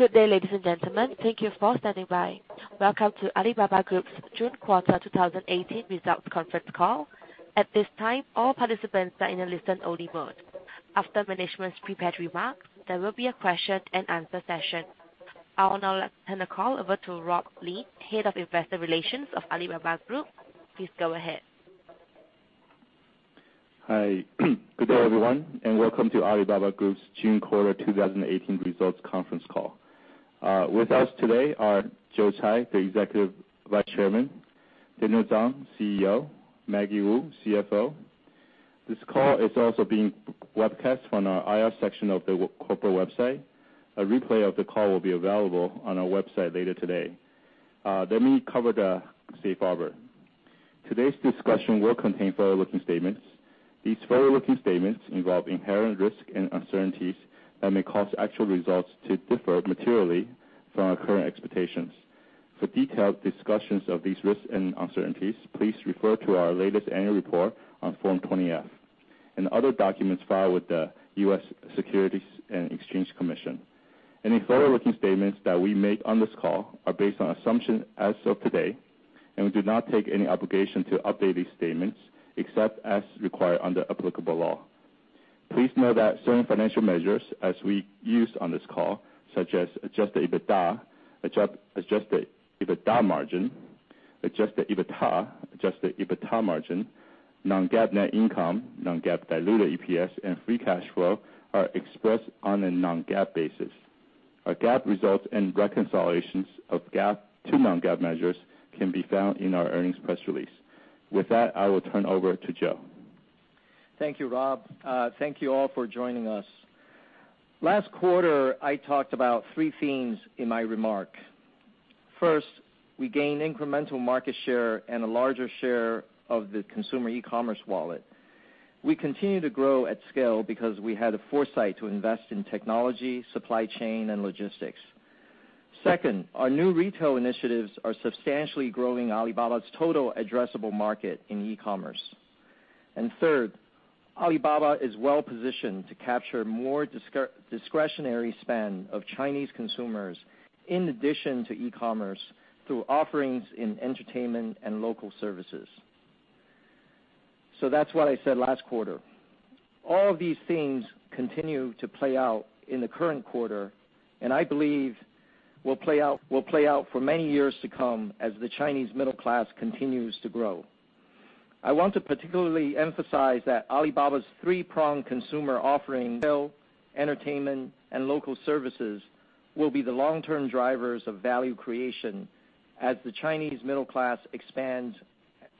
Good day, ladies and gentlemen. Thank you for standing by. Welcome to Alibaba Group's June quarter 2018 results conference call. At this time, all participants are in a listen-only mode. After management's prepared remarks, there will be a question and answer session. I will now turn the call over to Robert Lin, Head of Investor Relations of Alibaba Group. Please go ahead. Hi. Good day, everyone, and welcome to Alibaba Group's June quarter 2018 results conference call. With us today are Joe Tsai, the Executive Vice Chairman; Daniel Zhang, CEO; Maggie Wu, CFO. This call is also being webcast on our IR section of the corporate website. A replay of the call will be available on our website later today. Let me cover the safe harbor. Today's discussion will contain forward-looking statements. These forward-looking statements involve inherent risks and uncertainties that may cause actual results to differ materially from our current expectations. For detailed discussions of these risks and uncertainties, please refer to our latest annual report on Form 20-F and other documents filed with the U.S. Securities and Exchange Commission. Any forward-looking statements that we make on this call are based on assumptions as of today, and we do not take any obligation to update these statements except as required under applicable law. Please note that certain financial measures as we use on this call, such as adjusted EBITDA, adjusted EBITDA margin, adjusted EBITA, adjusted EBITA margin, non-GAAP net income, non-GAAP diluted EPS, and free cash flow are expressed on a non-GAAP basis. Our GAAP results and reconciliations of GAAP to non-GAAP measures can be found in our earnings press release. With that, I will turn over to Joe. Thank you, Rob. Thank you all for joining us. Last quarter, I talked about three themes in my remark. First, we gained incremental market share and a larger share of the consumer e-commerce wallet. We continue to grow at scale because we had the foresight to invest in technology, supply chain, and logistics. Second, our New Retail initiatives are substantially growing Alibaba's total addressable market in e-commerce. Third, Alibaba is well-positioned to capture more discretionary spend of Chinese consumers in addition to e-commerce through offerings in entertainment and local services. That's what I said last quarter. All of these themes continue to play out in the current quarter, and I believe will play out for many years to come as the Chinese middle class continues to grow. I want to particularly emphasize that Alibaba's three-pronged consumer offering, retail, entertainment, and local services, will be the long-term drivers of value creation as the Chinese middle class expands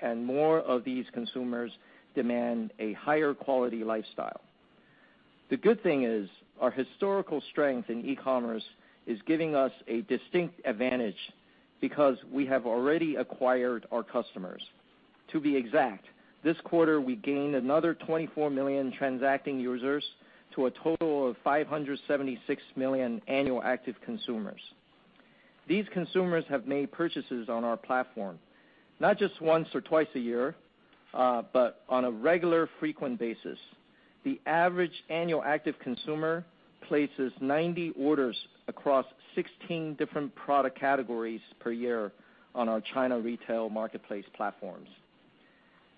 and more of these consumers demand a higher quality lifestyle. The good thing is, our historical strength in e-commerce is giving us a distinct advantage because we have already acquired our customers. To be exact, this quarter, we gained another 24 million transacting users to a total of 576 million annual active consumers. These consumers have made purchases on our platform, not just once or twice a year, but on a regular, frequent basis. The average annual active consumer places 90 orders across 16 different product categories per year on our China retail marketplace platforms.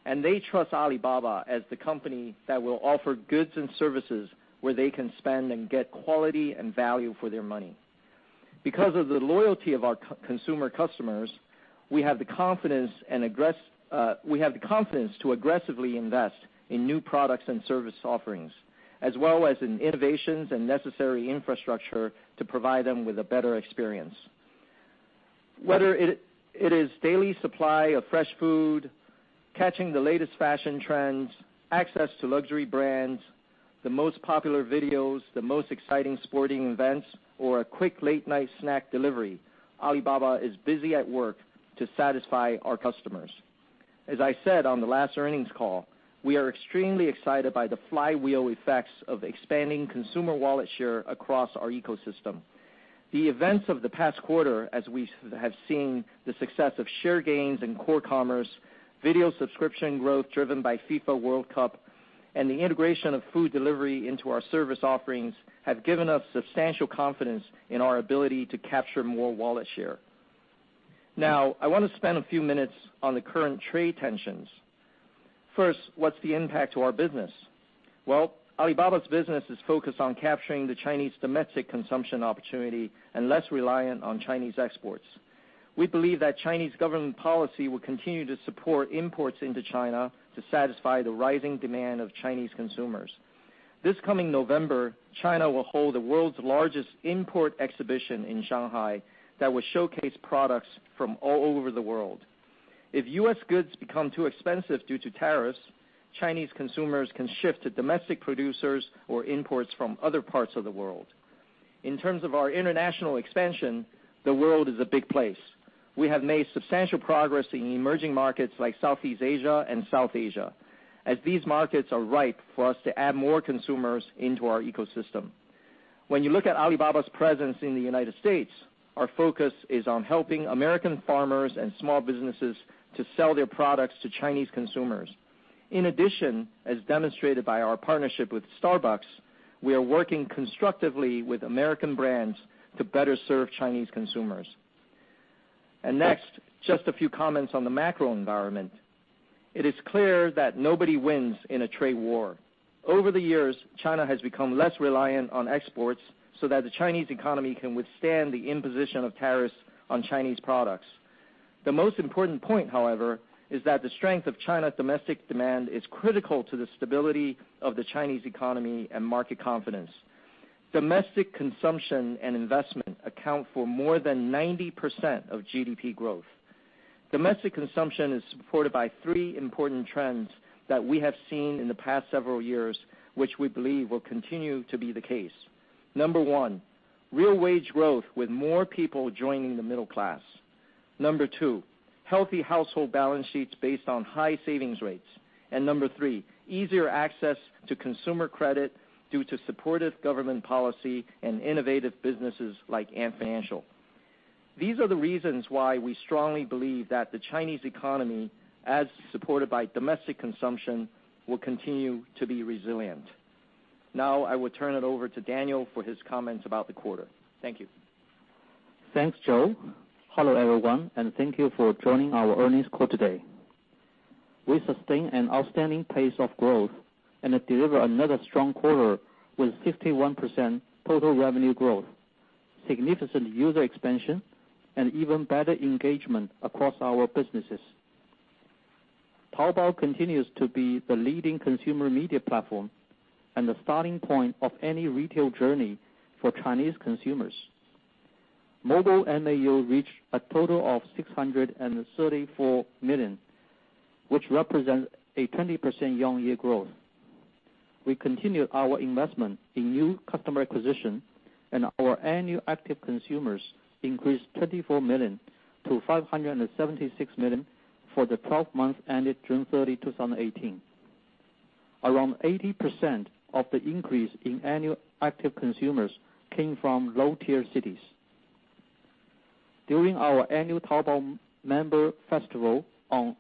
They trust Alibaba as the company that will offer goods and services where they can spend and get quality and value for their money. Because of the loyalty of our consumer customers, we have the confidence to aggressively invest in new products and service offerings, as well as in innovations and necessary infrastructure to provide them with a better experience. Whether it is daily supply of fresh food, catching the latest fashion trends, access to luxury brands, the most popular videos, the most exciting sporting events, or a quick late-night snack delivery, Alibaba is busy at work to satisfy our customers. As I said on the last earnings call, we are extremely excited by the flywheel effects of expanding consumer wallet share across our ecosystem. The events of the past quarter, as we have seen the success of share gains in core commerce, video subscription growth driven by FIFA World Cup, and the integration of food delivery into our service offerings, have given us substantial confidence in our ability to capture more wallet share. Now, I want to spend a few minutes on the current trade tensions. First, what's the impact to our business? Well, Alibaba's business is focused on capturing the Chinese domestic consumption opportunity and less reliant on Chinese exports. We believe that Chinese government policy will continue to support imports into China to satisfy the rising demand of Chinese consumers. This coming November, China will hold the world's largest import exhibition in Shanghai that will showcase products from all over the world. If U.S. goods become too expensive due to tariffs, Chinese consumers can shift to domestic producers or imports from other parts of the world. In terms of our international expansion, the world is a big place. We have made substantial progress in emerging markets like Southeast Asia and South Asia, as these markets are ripe for us to add more consumers into our ecosystem. When you look at Alibaba's presence in the United States, our focus is on helping American farmers and small businesses to sell their products to Chinese consumers. In addition, as demonstrated by our partnership with Starbucks, we are working constructively with American brands to better serve Chinese consumers. Next, just a few comments on the macro environment. It is clear that nobody wins in a trade war. Over the years, China has become less reliant on exports so that the Chinese economy can withstand the imposition of tariffs on Chinese products. The most important point, however, is that the strength of China's domestic demand is critical to the stability of the Chinese economy and market confidence. Domestic consumption and investment account for more than 90% of GDP growth. Domestic consumption is supported by 3 important trends that we have seen in the past several years, which we believe will continue to be the case. Number 1, real wage growth with more people joining the middle class. Number 2, healthy household balance sheets based on high savings rates. Number 3, easier access to consumer credit due to supportive government policy and innovative businesses like Ant Financial. These are the reasons why we strongly believe that the Chinese economy, as supported by domestic consumption, will continue to be resilient. Now I will turn it over to Daniel for his comments about the quarter. Thank you. Thanks, Joe. Hello, everyone, thank you for joining our earnings call today. We sustain an outstanding pace of growth and deliver another strong quarter with 61% total revenue growth, significant user expansion, and even better engagement across our businesses. Taobao continues to be the leading consumer media platform and the starting point of any retail journey for Chinese consumers. Mobile MAU reached a total of 634 million, which represents a 20% year-on-year growth. We continued our investment in new customer acquisition, our annual active consumers increased 24 million to 576 million for the 12 months ended June 30, 2018. Around 80% of the increase in annual active consumers came from low-tier cities. During our annual Taobao Maker Festival on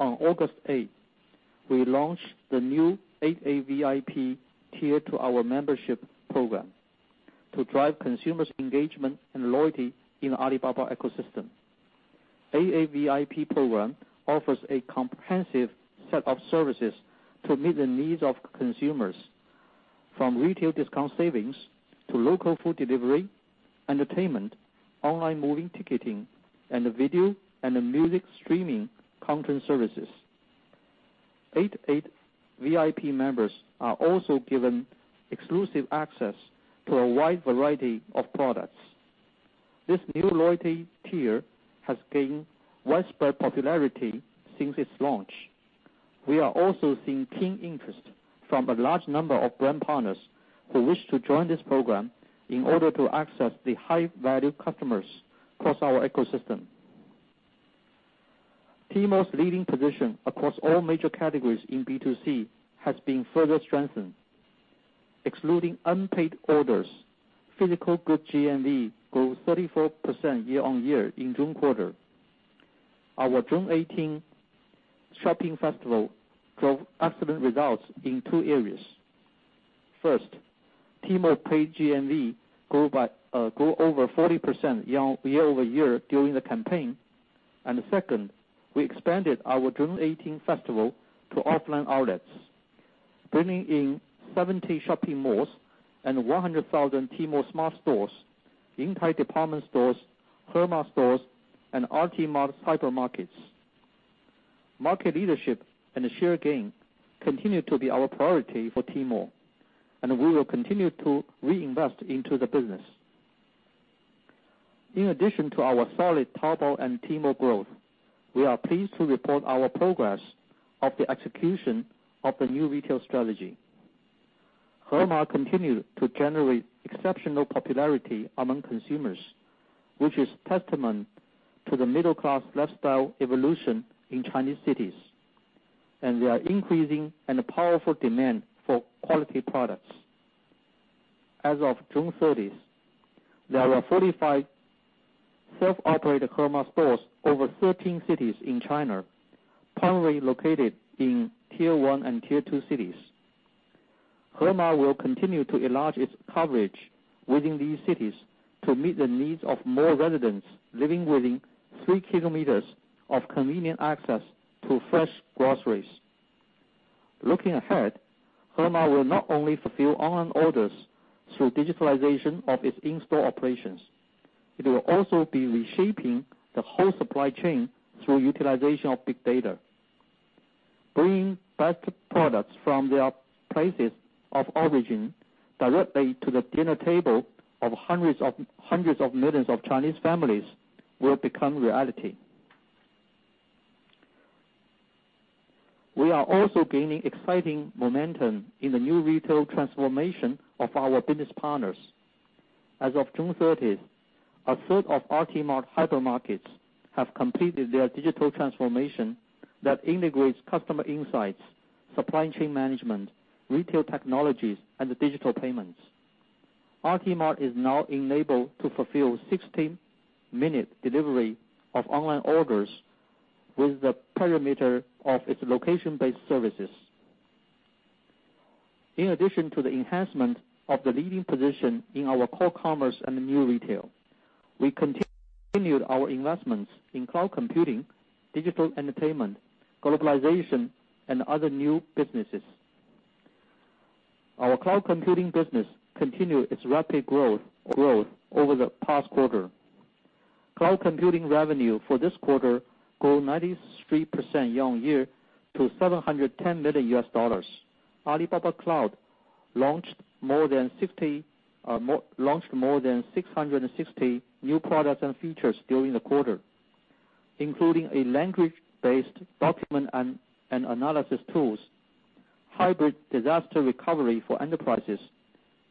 August 8th, we launched the new 88VIP tier to our membership program to drive consumers' engagement and loyalty in Alibaba ecosystem. 88VIP program offers a comprehensive set of services to meet the needs of consumers, from retail discount savings to local food delivery, entertainment, online movie ticketing, and video and music streaming content services. 88VIP members are also given exclusive access to a wide variety of products. This new loyalty tier has gained widespread popularity since its launch. We are also seeing keen interest from a large number of brand partners who wish to join this program in order to access the high-value customers across our ecosystem. Tmall's leading position across all major categories in B2C has been further strengthened. Excluding unpaid orders, physical goods GMV grew 34% year-on-year in June quarter. Our June 18 shopping festival drove excellent results in 2 areas. First, Tmall paid GMV grew over 40% year-over-year during the campaign. Second, we expanded our June 18 festival to offline outlets, bringing in 70 shopping malls and 100,000 Tmall Smart stores, Intime department stores, Hema stores, and RT-Mart hypermarkets. Market leadership and share gain continue to be our priority for Tmall, we will continue to reinvest into the business. In addition to our solid Taobao and Tmall growth, we are pleased to report our progress of the execution of the new retail strategy. Hema continued to generate exceptional popularity among consumers, which is testament to the middle-class lifestyle evolution in Chinese cities, and their increasing and powerful demand for quality products. As of June 30th, there were 45 self-operated Hema stores over 13 cities in China, primarily located in Tier 1 and Tier 2 cities. Hema will continue to enlarge its coverage within these cities to meet the needs of more residents living within 3 kilometers of convenient access to fresh groceries. Looking ahead, Hema will not only fulfill online orders through digitalization of its in-store operations, it will also be reshaping the whole supply chain through utilization of big data. Bringing fresh products from their places of origin directly to the dinner table of hundreds of millions of Chinese families will become reality. We are also gaining exciting momentum in the new retail transformation of our business partners. As of June 30th, a third of RT-Mart hypermarkets have completed their digital transformation that integrates customer insights, supply chain management, retail technologies, and digital payments. Alibaba is now enabled to fulfill 60-minute delivery of online orders within the perimeter of its location-based services. In addition to the enhancement of the leading position in our core commerce and new retail, we continued our investments in cloud computing, digital entertainment, globalization, and other new businesses. Our cloud computing business continued its rapid growth over the past quarter. Cloud computing revenue for this quarter grew 93% year-on-year to $710 million USD. Alibaba Cloud launched more than 660 new products and features during the quarter, including a language-based document and analysis tools, hybrid disaster recovery for enterprises,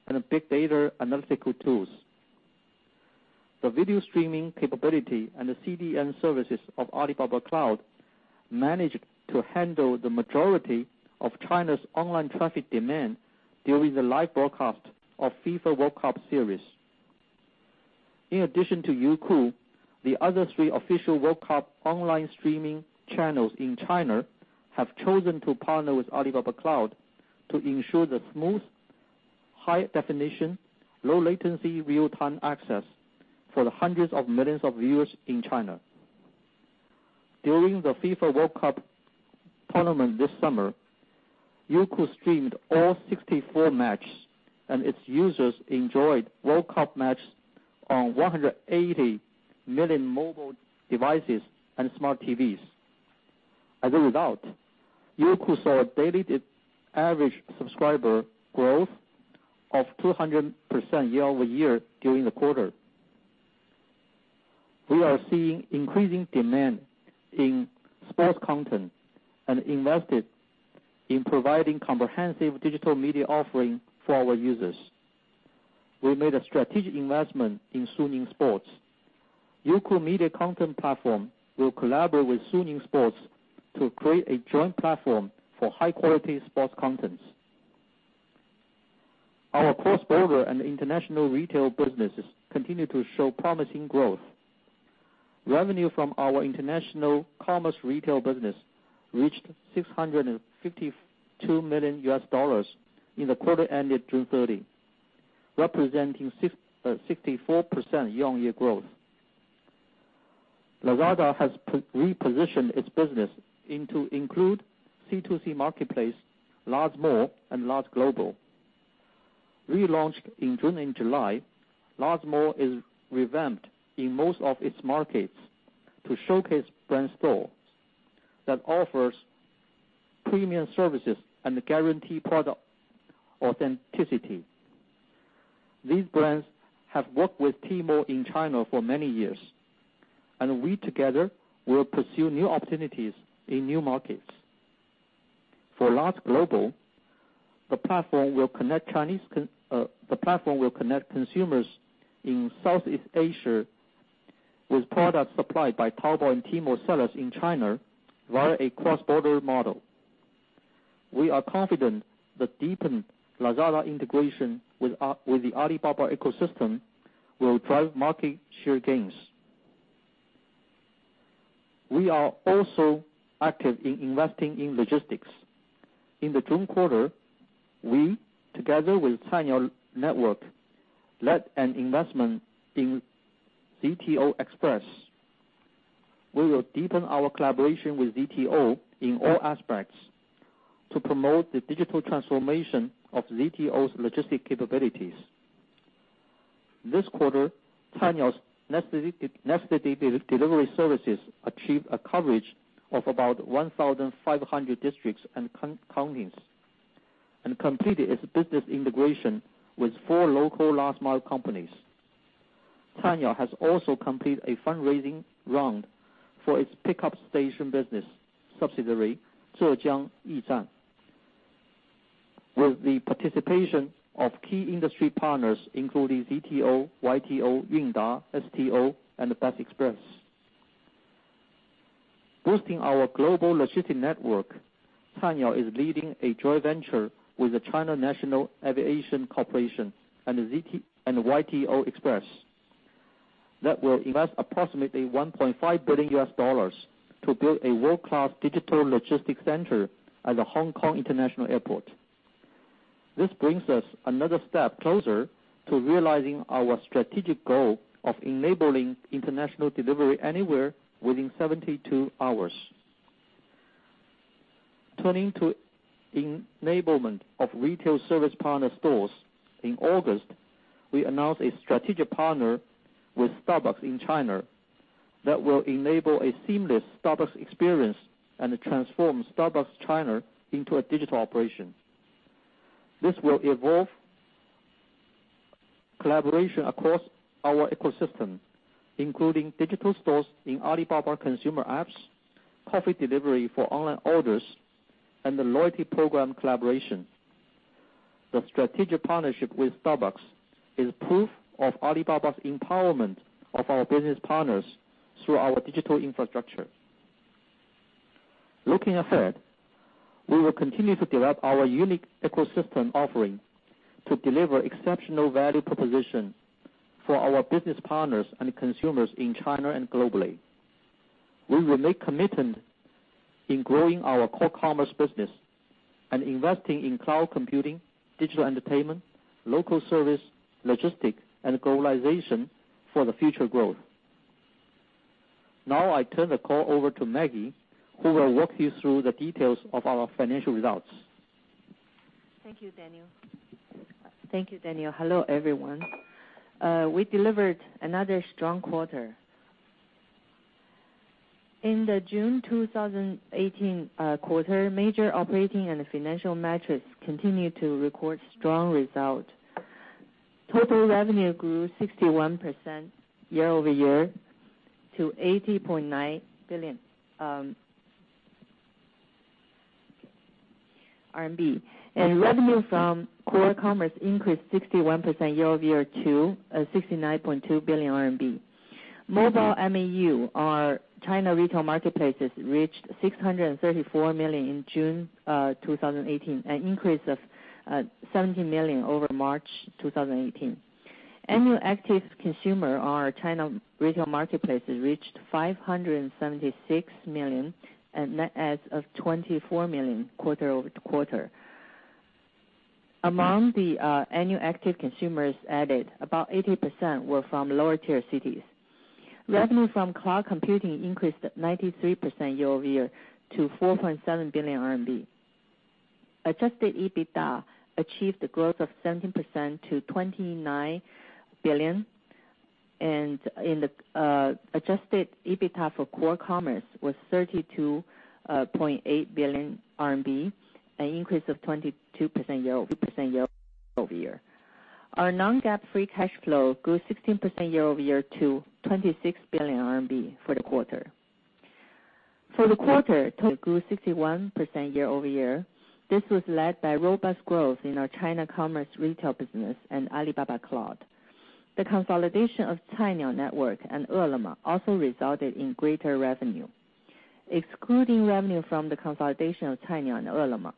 and big data analytical tools. The video streaming capability and the CDN services of Alibaba Cloud managed to handle the majority of China's online traffic demand during the live broadcast of FIFA World Cup series. In addition to Youku, the other three official World Cup online streaming channels in China have chosen to partner with Alibaba Cloud to ensure the smooth, high-definition, low-latency real-time access for the hundreds of millions of viewers in China. During the FIFA World Cup tournament this summer, Youku streamed all 64 matches, and its users enjoyed World Cup matches on 180 million mobile devices and smart TVs. As a result, Youku saw a daily average subscriber growth of 200% year-over-year during the quarter. We are seeing increasing demand in sports content and invested in providing comprehensive digital media offering for our users. We made a strategic investment in Suning Sports. Youku media content platform will collaborate with Suning Sports to create a joint platform for high-quality sports contents. Our cross-border and international retail businesses continue to show promising growth. Revenue from our international commerce retail business reached $652 million USD in the quarter ended June 30, representing 64% year-on-year growth. Lazada has repositioned its business to include C2C marketplace, LazMall, and LazGlobal. Relaunched in June and July, LazMall is revamped in most of its markets to showcase brand stores that offers premium services and guarantee product authenticity. These brands have worked with Tmall in China for many years, and we together will pursue new opportunities in new markets. For LazGlobal, the platform will connect consumers in Southeast Asia with products supplied by Taobao and Tmall sellers in China via a cross-border model. We are confident the deepened Lazada integration with the Alibaba ecosystem will drive market share gains. We are also active in investing in logistics. In the June quarter, we together with Cainiao Network, led an investment in ZTO Express. We will deepen our collaboration with ZTO in all aspects to promote the digital transformation of ZTO's logistics capabilities. This quarter, Cainiao's next-day delivery services achieved a coverage of about 1,500 districts and counties and completed its business integration with 4 local last-mile companies. Cainiao has also completed a fundraising round for its pickup station business subsidiary, Zhejiang Yizhan, with the participation of key industry partners, including ZTO, YTO Express, Yunda, STO, and Best Express. Boosting our global logistics network, Cainiao is leading a joint venture with the China National Aviation Corporation and YTO Express that will invest approximately $1.5 billion to build a world-class digital logistics center at the Hong Kong International Airport. This brings us another step closer to realizing our strategic goal of enabling international delivery anywhere within 72 hours. Turning to enablement of retail service partner stores. In August, we announced a strategic partnership with Starbucks China that will enable a seamless Starbucks experience and transform Starbucks China into a digital operation. This will evolve collaboration across our ecosystem, including digital stores in Alibaba consumer apps, coffee delivery for online orders, and the loyalty program collaboration. The strategic partnership with Starbucks is proof of Alibaba's empowerment of our business partners through our digital infrastructure. Looking ahead, we will continue to develop our unique ecosystem offering to deliver exceptional value proposition for our business partners and consumers in China and globally. We will make a commitment in growing our core commerce business and investing in cloud computing, digital entertainment, local services, logistics, and globalization for the future growth. I turn the call over to Maggie, who will walk you through the details of our financial results. Thank you, Daniel. Hello, everyone. We delivered another strong quarter. In the June 2018 quarter, major operating and financial metrics continued to record strong result. Total revenue grew 61% year-over-year to CNY 80.9 billion, and revenue from core commerce increased 61% year-over-year to 69.2 billion RMB. Mobile MAU on our China retail marketplaces reached 634 million in June 2018, an increase of 17 million over March 2018. Annual active consumers on our China retail marketplaces reached 576 million, a net add of 24 million quarter-over-quarter. Among the annual active consumers added, about 80% were from lower-tier cities. Revenue from cloud computing increased 93% year-over-year to 4.7 billion RMB. Adjusted EBITDA achieved a growth of 17% to 29 billion, and the adjusted EBITDA for core commerce was 32.8 billion RMB, an increase of 22% year-over-year. Our non-GAAP free cash flow grew 16% year-over-year to 26 billion RMB for the quarter. For the quarter, total revenue grew 61% year-over-year. This was led by robust growth in our China commerce retail business and Alibaba Cloud. The consolidation of Cainiao Network and Ele.me also resulted in greater revenue. Excluding revenue from the consolidation of Cainiao and Ele.me,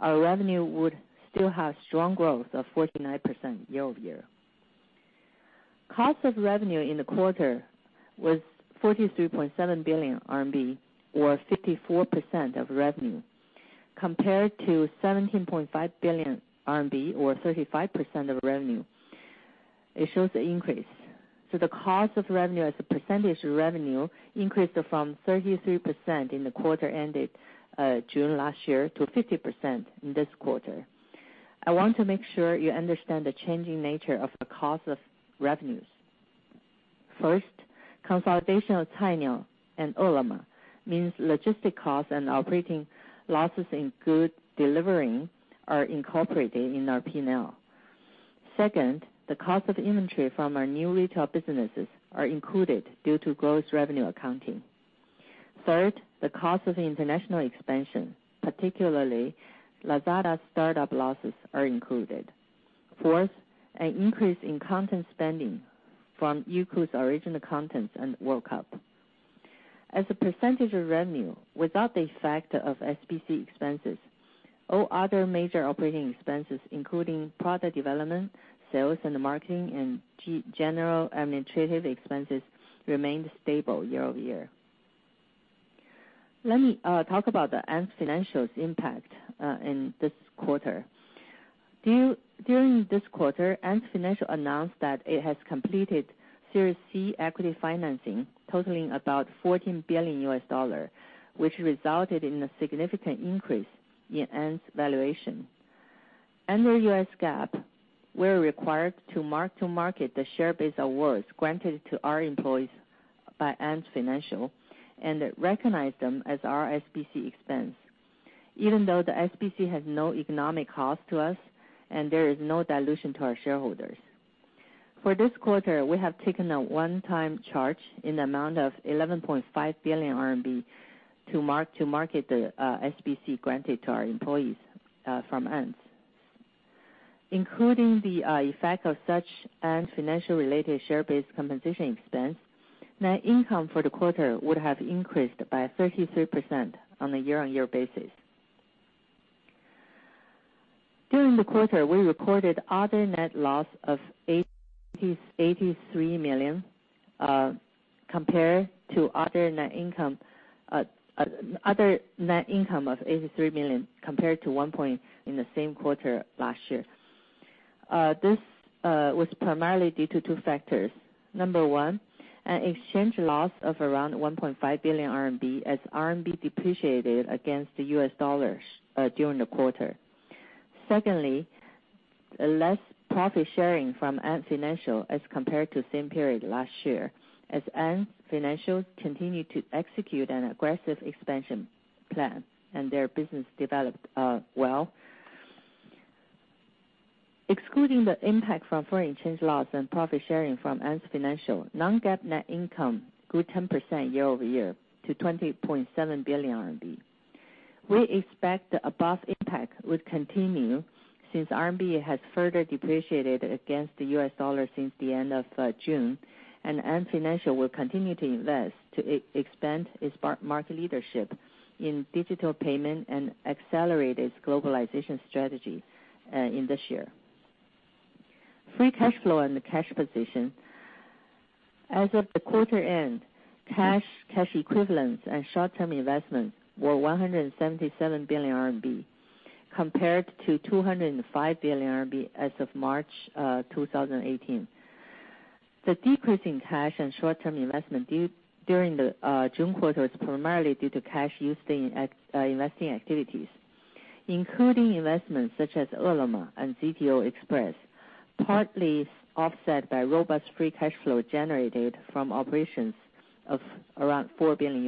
our revenue would still have strong growth of 49% year-over-year. Cost of revenue in the quarter was 43.7 billion RMB, or 54% of revenue, compared to 17.5 billion RMB or 35% of revenue. It shows an increase. The cost of revenue as a percentage of revenue increased from 33% in the quarter ended June last year to 50% in this quarter. I want to make sure you understand the changing nature of the cost of revenue. First, consolidation of Cainiao and Ele.me means logistics costs and operating losses in food delivering are incorporated in our P&L. Second, the cost of inventory from our New Retail businesses are included due to gross revenue accounting. Third, the cost of international expansion, particularly Lazada's startup losses are included. Fourth, an increase in content spending from Youku's original contents and World Cup. As a percentage of revenue, without the effect of SBC expenses or other major operating expenses, including product development, sales and marketing, and general administrative expenses remained stable year-over-year. Let me talk about the Ant Financial's impact in this quarter. During this quarter, Ant Financial announced that it has completed Series C equity financing totaling about $14 billion, which resulted in a significant increase in Ant's valuation. Under U.S. GAAP, we're required to mark to market the share-based awards granted to our employees by Ant Financial and recognize them as our SBC expense, even though the SBC has no economic cost to us and there is no dilution to our shareholders. For this quarter, we have taken a one-time charge in the amount of 11.5 billion RMB to market the SBC granted to our employees from Ant. Including the effect of such Ant Financial related share-based compensation expense, net income for the quarter would have increased by 33% on a year-on-year basis. During the quarter, we recorded other net income of 83 million, compared to 1 point in the same quarter last year. This was primarily due to two factors. Number one, an exchange loss of around 1.5 billion RMB as CNY depreciated against the U.S. dollar during the quarter. Secondly, less profit sharing from Ant Financial as compared to same period last year, as Ant Financial continued to execute an aggressive expansion plan and their business developed well. Excluding the impact from foreign exchange loss and profit sharing from Ant Financial, non-GAAP net income grew 10% year-over-year to 20.7 billion RMB. We expect the above impact would continue since CNY has further depreciated against the U.S. dollar since the end of June, and Ant Financial will continue to invest to expand its market leadership in digital payment and accelerate its globalization strategy in this year. Free cash flow and the cash position. As of the quarter end, cash equivalents and short-term investments were 177 billion RMB compared to 205 billion RMB as of March 2018. The decrease in cash and short-term investment during the June quarter is primarily due to cash used in investing activities, including investments such as Hema and ZTO Express, partly offset by robust free cash flow generated from operations of around $4 billion.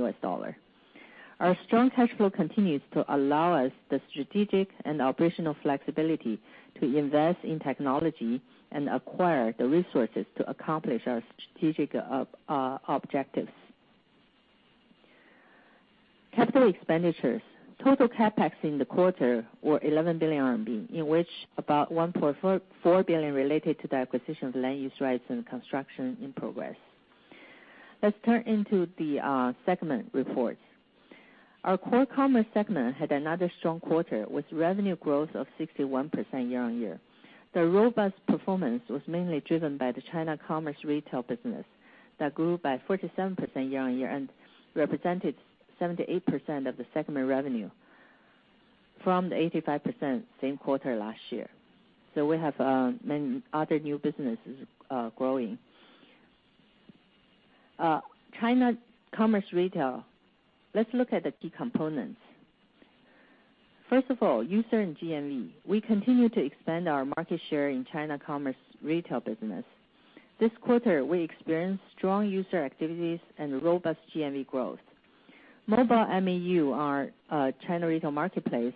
Our strong cash flow continues to allow us the strategic and operational flexibility to invest in technology and acquire the resources to accomplish our strategic objectives. Capital expenditures. Total CapEx in the quarter were 11 billion RMB, in which about 1.4 billion related to the acquisition of land use rights and construction in progress. Let's turn into the segment report. Our Core Commerce segment had another strong quarter with revenue growth of 61% year-on-year. The robust performance was mainly driven by the China Commerce Retail business that grew by 47% year-on-year and represented 78% of the segment revenue from the 85% same quarter last year. We have many other new businesses growing. China commerce retail. Let's look at the key components. First of all, user and GMV. We continue to expand our market share in China commerce retail business. This quarter, we experienced strong user activities and robust GMV growth. Mobile MAU, our China retail marketplace,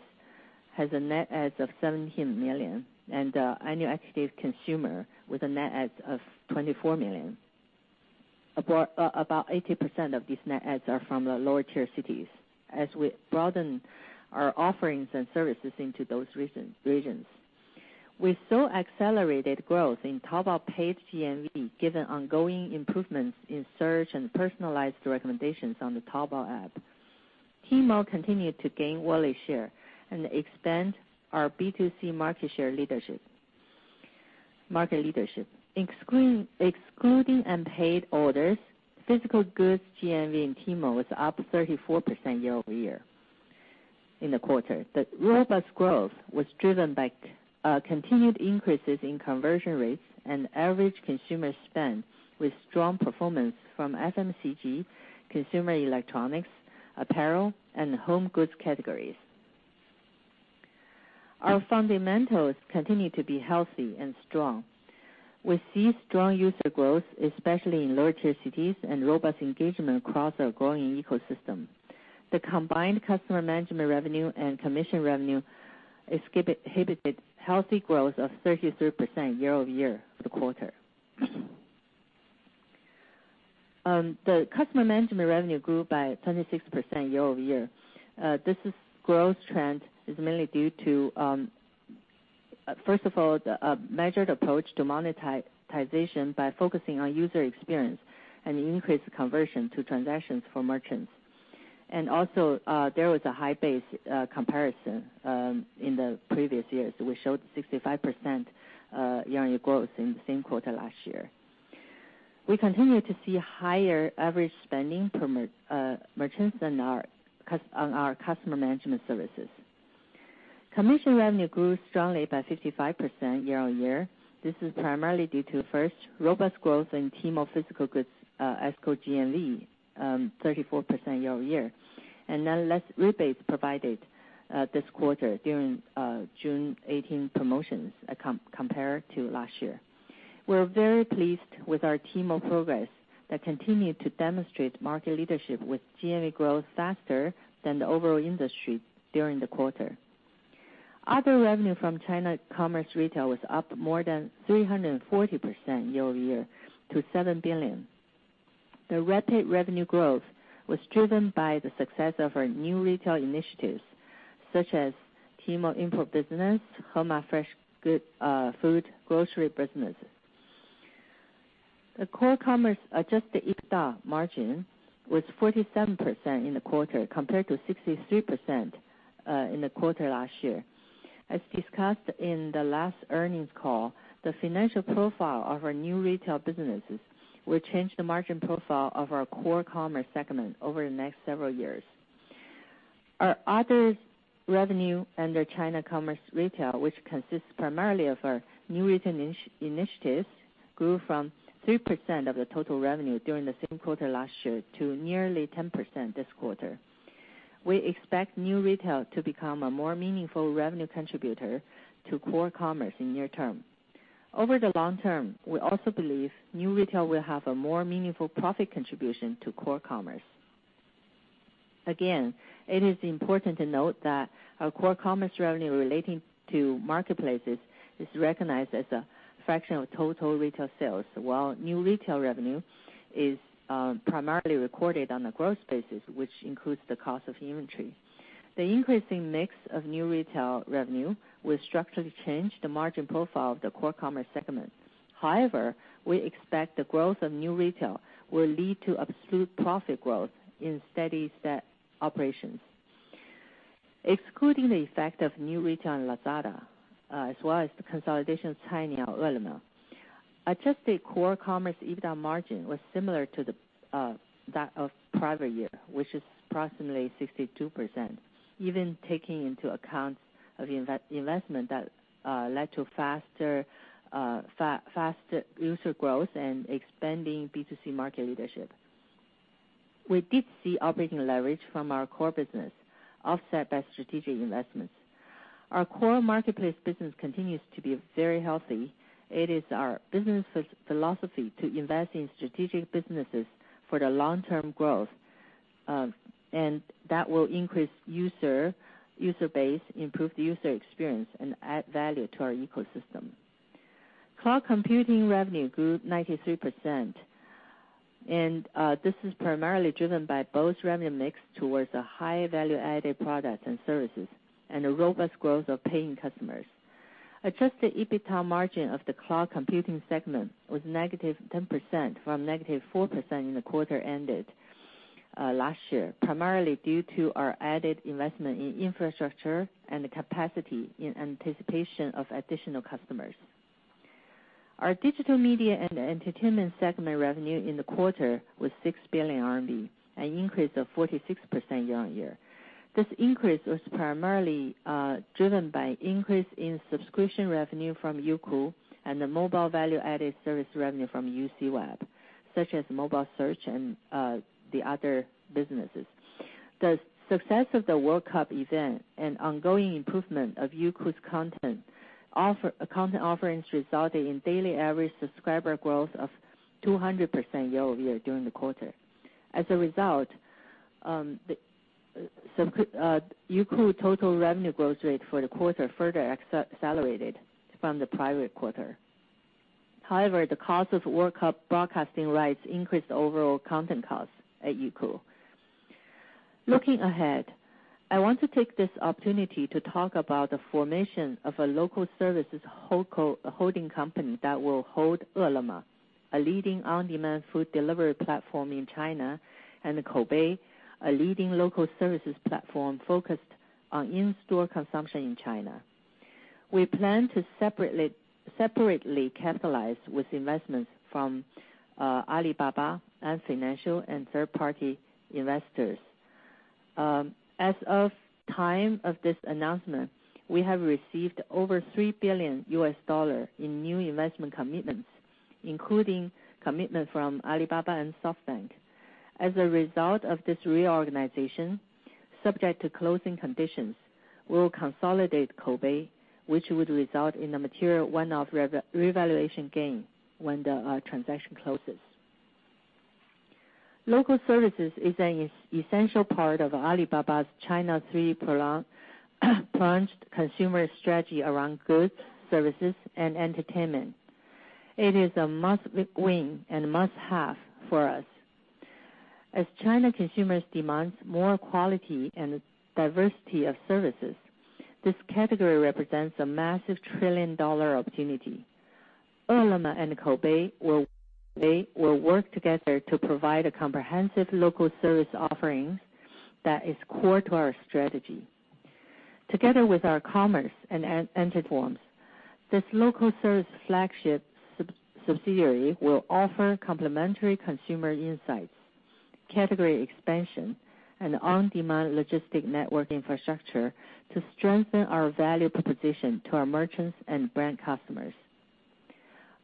has net adds of 17 million and annual active consumers with net adds of 24 million. About 80% of these net adds are from the lower tier cities, as we broaden our offerings and services into those regions. We saw accelerated growth in Taobao paid GMV, given ongoing improvements in search and personalized recommendations on the Taobao app. Tmall continued to gain wallet share and expand our B2C market leadership. Excluding unpaid orders, physical goods GMV in Tmall was up 34% year-over-year in the quarter. The robust growth was driven by continued increases in conversion rates and average consumer spend with strong performance from FMCG, consumer electronics, apparel, and home goods categories. Our fundamentals continue to be healthy and strong. We see strong user growth, especially in lower tier cities, and robust engagement across our growing ecosystem. The combined customer management revenue and commission revenue exhibited healthy growth of 33% year-over-year for the quarter. The customer management revenue grew by 26% year-over-year. This growth trend is mainly due to, first of all, the measured approach to monetization by focusing on user experience and increased conversion to transactions for merchants. There was a high base comparison in the previous years. We showed 65% year-on-year growth in the same quarter last year. We continue to see higher average spending from merchants on our customer management services. Commission revenue grew strongly by 55% year-on-year. This is primarily due to, first, robust growth in Tmall physical goods GMV, 34% year-over-year, and then less rebates provided this quarter during June 18 promotions compared to last year. We are very pleased with our Tmall progress that continued to demonstrate market leadership with GMV growth faster than the overall industry during the quarter. Other revenue from China commerce retail was up more than 340% year-over-year to 7 billion. The rapid revenue growth was driven by the success of our New Retail initiatives, such as Tmall import business, Hema fresh food grocery business. The Core Commerce adjusted EBITDA margin was 47% in the quarter, compared to 63% in the quarter last year. As discussed in the last earnings call, the financial profile of our New Retail businesses will change the margin profile of our Core Commerce segment over the next several years. Our others revenue under China commerce retail, which consists primarily of our New Retail initiatives, grew from 3% of the total revenue during the same quarter last year to nearly 10% this quarter. We expect New Retail to become a more meaningful revenue contributor to Core Commerce in near term. Over the long term, we also believe New Retail will have a more meaningful profit contribution to Core Commerce. Again, it is important to note that our Core Commerce revenue relating to marketplaces is recognized as a fraction of total retail sales, while New Retail revenue is primarily recorded on a gross basis, which includes the cost of inventory. The increasing mix of New Retail revenue will structurally change the margin profile of the Core Commerce segment. However, we expect the growth of New Retail will lead to absolute profit growth in steady-state operations. Excluding the effect of New Retail and Lazada, as well as the consolidation of Cainiao, Ele.me, adjusted core commerce EBITDA margin was similar to that of prior year, which is approximately 62%, even taking into account of the investment that led to faster user growth and expanding B2C market leadership. We did see operating leverage from our core business offset by strategic investments. Our core marketplace business continues to be very healthy. It is our business philosophy to invest in strategic businesses for the long-term growth. That will increase user base, improve the user experience, and add value to our ecosystem. Cloud computing revenue grew 93%. This is primarily driven by both revenue mix towards a higher value-added product and services and a robust growth of paying customers. Adjusted EBITDA margin of the cloud computing segment was -10% from -4% in the quarter ended last year, primarily due to our added investment in infrastructure and the capacity in anticipation of additional customers. Our digital media and entertainment segment revenue in the quarter was 6 billion RMB, an increase of 46% year-on-year. This increase was primarily driven by increase in subscription revenue from Youku and the mobile value-added service revenue from UCWeb, such as mobile search and the other businesses. The success of the World Cup event and ongoing improvement of Youku's content offerings resulted in daily average subscriber growth of 200% year-over-year during the quarter. As a result, Youku total revenue growth rate for the quarter further accelerated from the prior quarter. However, the cost of World Cup broadcasting rights increased overall content costs at Youku. Looking ahead, I want to take this opportunity to talk about the formation of a local services holding company that will hold Ele.me, a leading on-demand food delivery platform in China, and Koubei, a leading local services platform focused on in-store consumption in China. We plan to separately capitalize with investments from Alibaba and Ant Financial and third-party investors. As of time of this announcement, we have received over $3 billion in new investment commitments, including commitment from Alibaba and SoftBank. As a result of this reorganization, subject to closing conditions, we will consolidate Koubei, which would result in a material one-off revaluation gain when the transaction closes. Local services is an essential part of Alibaba's China three-pronged consumer strategy around goods, services, and entertainment. It is a must-win and must-have for us. As China consumers demands more quality and diversity of services, this category represents a massive trillion-dollar opportunity. Ele.me and Koubei will work together to provide a comprehensive local service offerings that is core to our strategy. Together with our commerce and entertainment, this local service flagship subsidiary will offer complementary consumer insights, category expansion, and on-demand logistic network infrastructure to strengthen our value proposition to our merchants and brand customers.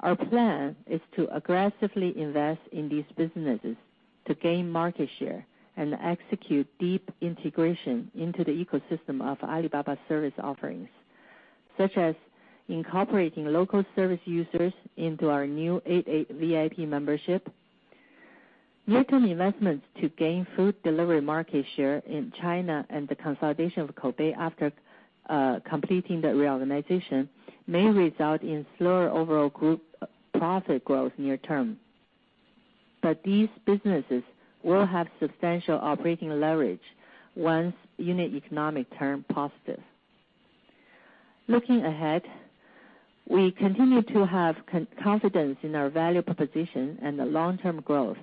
Our plan is to aggressively invest in these businesses to gain market share and execute deep integration into the ecosystem of Alibaba service offerings, such as incorporating local service users into our new 88VIP membership. Near-term investments to gain food delivery market share in China and the consolidation of Koubei after completing the reorganization may result in slower overall group profit growth near-term. These businesses will have substantial operating leverage once unit economic turn positive. Looking ahead, we continue to have confidence in our value proposition and the long-term growth.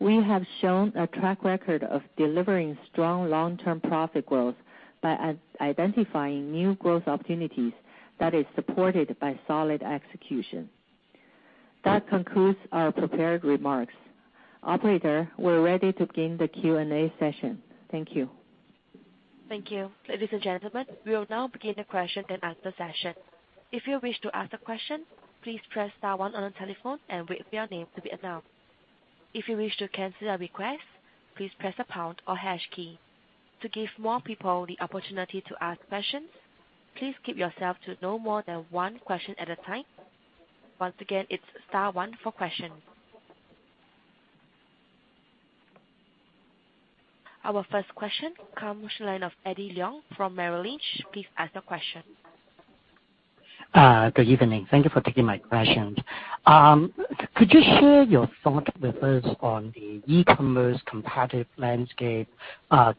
We have shown a track record of delivering strong long-term profit growth by identifying new growth opportunities that is supported by solid execution. That concludes our prepared remarks. Operator, we're ready to begin the Q&A session. Thank you. Thank you. Ladies and gentlemen, we will now begin the question and answer session. If you wish to ask a question, please press star one on the telephone and wait for your name to be announced. If you wish to cancel a request, please press the pound or hash key. To give more people the opportunity to ask questions, please keep yourself to no more than one question at a time. Once again, it's star one for question. Our first question comes line of Eddie Leung from Merrill Lynch. Please ask your question. Good evening. Thank you for taking my questions. Could you share your thoughts with us on the e-commerce competitive landscape,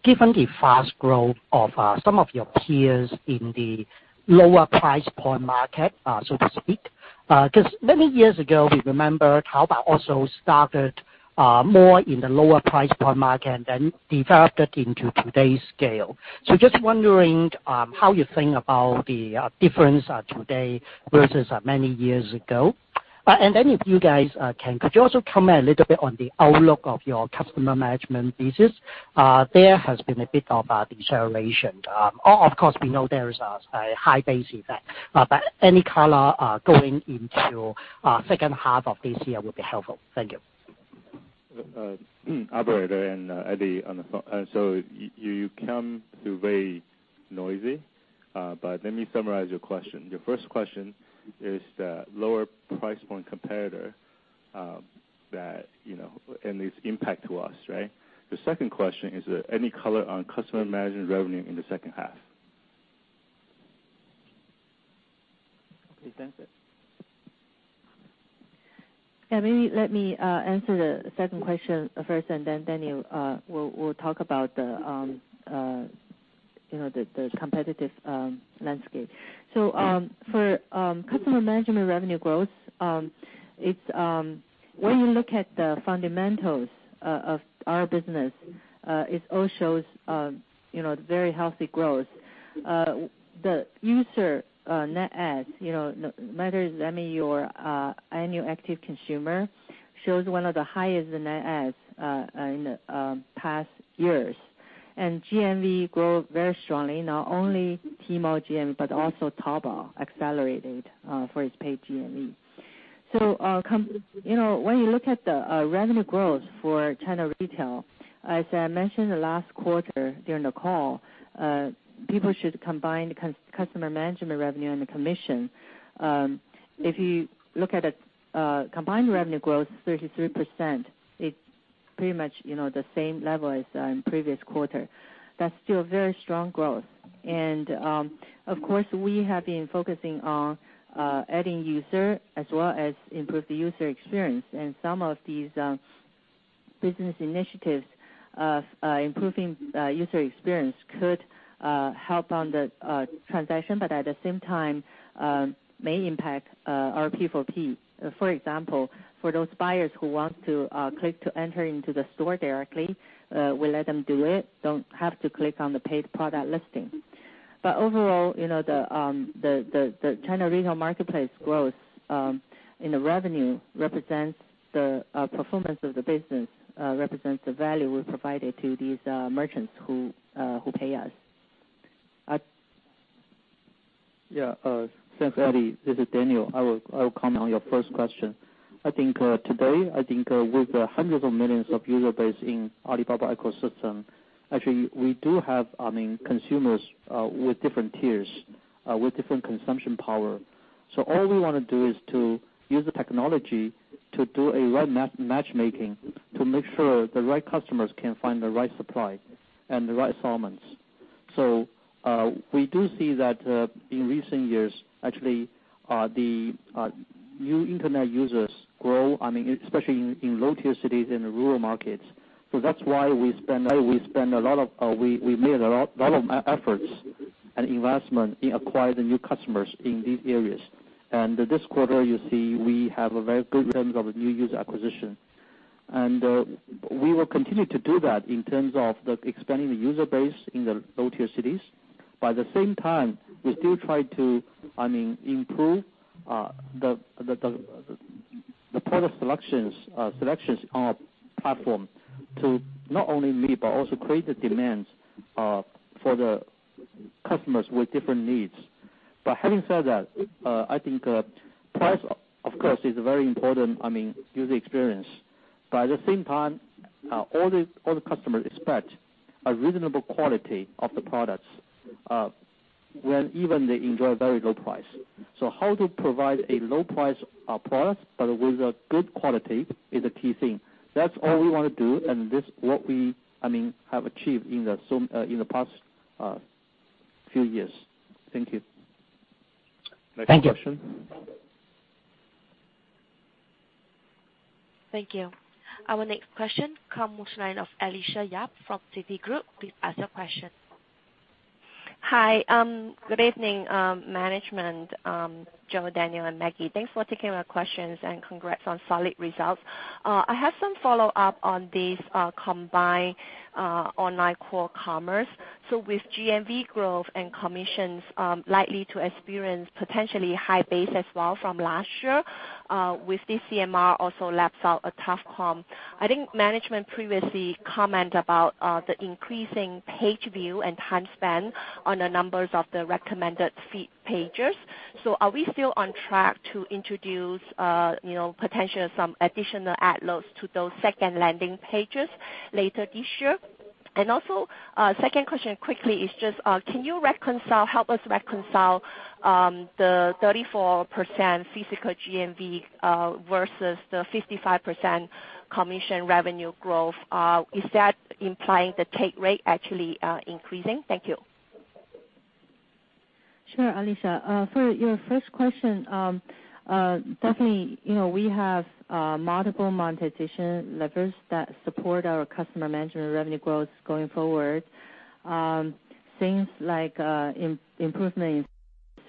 given the fast growth of some of your peers in the lower price point market, so to speak? Many years ago, we remember Taobao also started more in the lower price point market, and then developed it into today's scale. Just wondering how you think about the difference today versus many years ago. If you guys can, could you also comment a little bit on the outlook of your customer management business? There has been a bit of a deceleration. Of course, we know there is a high base effect. Any color going into second half of this year would be helpful. Thank you. Operator and Eddie on the phone. You come through very noisy, but let me summarize your question. Your first question is the lower price point competitor and its impact to us, right? The second question is any color on customer management revenue in the second half. Okay, thanks. Maybe let me answer the second question first. Daniel will talk about the competitive landscape. For customer management revenue growth, when you look at the fundamentals of our business, it all shows very healthy growth. The user net adds, whether it's your annual active consumer, shows one of the highest net adds in the past years. GMV grow very strongly, not only Tmall GMV, but also Taobao accelerated for its paid GMV. When you look at the revenue growth for China retail, as I mentioned the last quarter during the call, people should combine customer management revenue and the commission. If you look at a combined revenue growth, 33%, it's pretty much the same level as in previous quarter. That's still very strong growth. Of course, we have been focusing on adding user as well as improve the user experience. Some of these business initiatives of improving user experience could help on the transaction, but at the same time may impact our P4P. For example, for those buyers who want to click to enter into the store directly, we let them do it, don't have to click on the paid product listing. Overall, the China retail marketplace growth in the revenue represents the performance of the business, represents the value we provided to these merchants who pay us. Thanks, Eddie. This is Daniel. I will comment on your first question. I think today, with hundreds of millions of user base in Alibaba ecosystem, actually, we do have consumers with different tiers with different consumption power. All we want to do is to use the technology to do a right matchmaking to make sure the right customers can find the right supply and the right assortments. We do see that in recent years, actually, the new internet users grow, especially in low-tier cities in the rural markets. That's why we made a lot of efforts and investment in acquiring the new customers in these areas. This quarter, you see, we have a very good in terms of new user acquisition. We will continue to do that in terms of expanding the user base in the low-tier cities. At the same time, we still try to improve the product selections on our platform to not only meet but also create the demands for the customers with different needs. Having said that, I think price, of course, is very important, user experience. At the same time, all the customers expect a reasonable quality of the products when even they enjoy a very low price. How to provide a low price product but with a good quality is a key thing. That's all we want to do, and this is what we have achieved in the past few years. Thank you. Thank you. Next question. Thank you. Our next question comes in line of Alicia Yap from Citigroup. Please ask your question. Hi. Good evening, management. Joe, Daniel, and Maggie, thanks for taking my questions, and congrats on solid results. I have some follow-up on this combined online core commerce. With GMV growth and commissions likely to experience potentially high base as well from last year with this CMR also laps out a tough comp. I think management previously comment about the increasing page view and time spent on the numbers of the recommended feed pages. Are we still on track to introduce potential some additional ad loads to those second landing pages later this year? Also, second question quickly is just, can you help us reconcile the 34% physical GMV versus the 55% commission revenue growth? Is that implying the take rate actually increasing? Thank you. Sure, Alicia. For your first question, definitely, we have multiple monetization levers that support our customer management revenue growth going forward. Things like improvement in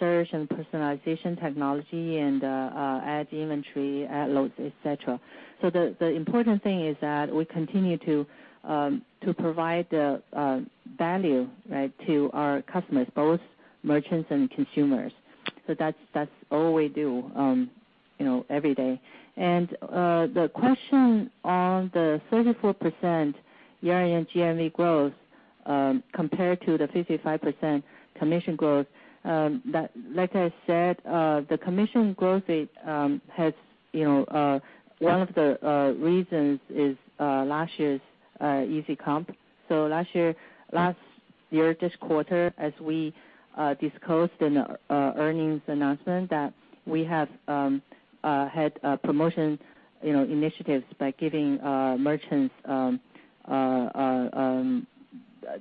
search and personalization technology and ad inventory, ad loads, et cetera. The important thing is that we continue to provide the value to our customers, both merchants and consumers. That's all we do every day. The question on the 34% year-end GMV growth compared to the 55% commission growth, like I said, the commission growth rate, one of the reasons is last year's easy comp. Last year this quarter, as we disclosed in the earnings announcement, that we have had promotion initiatives by giving merchants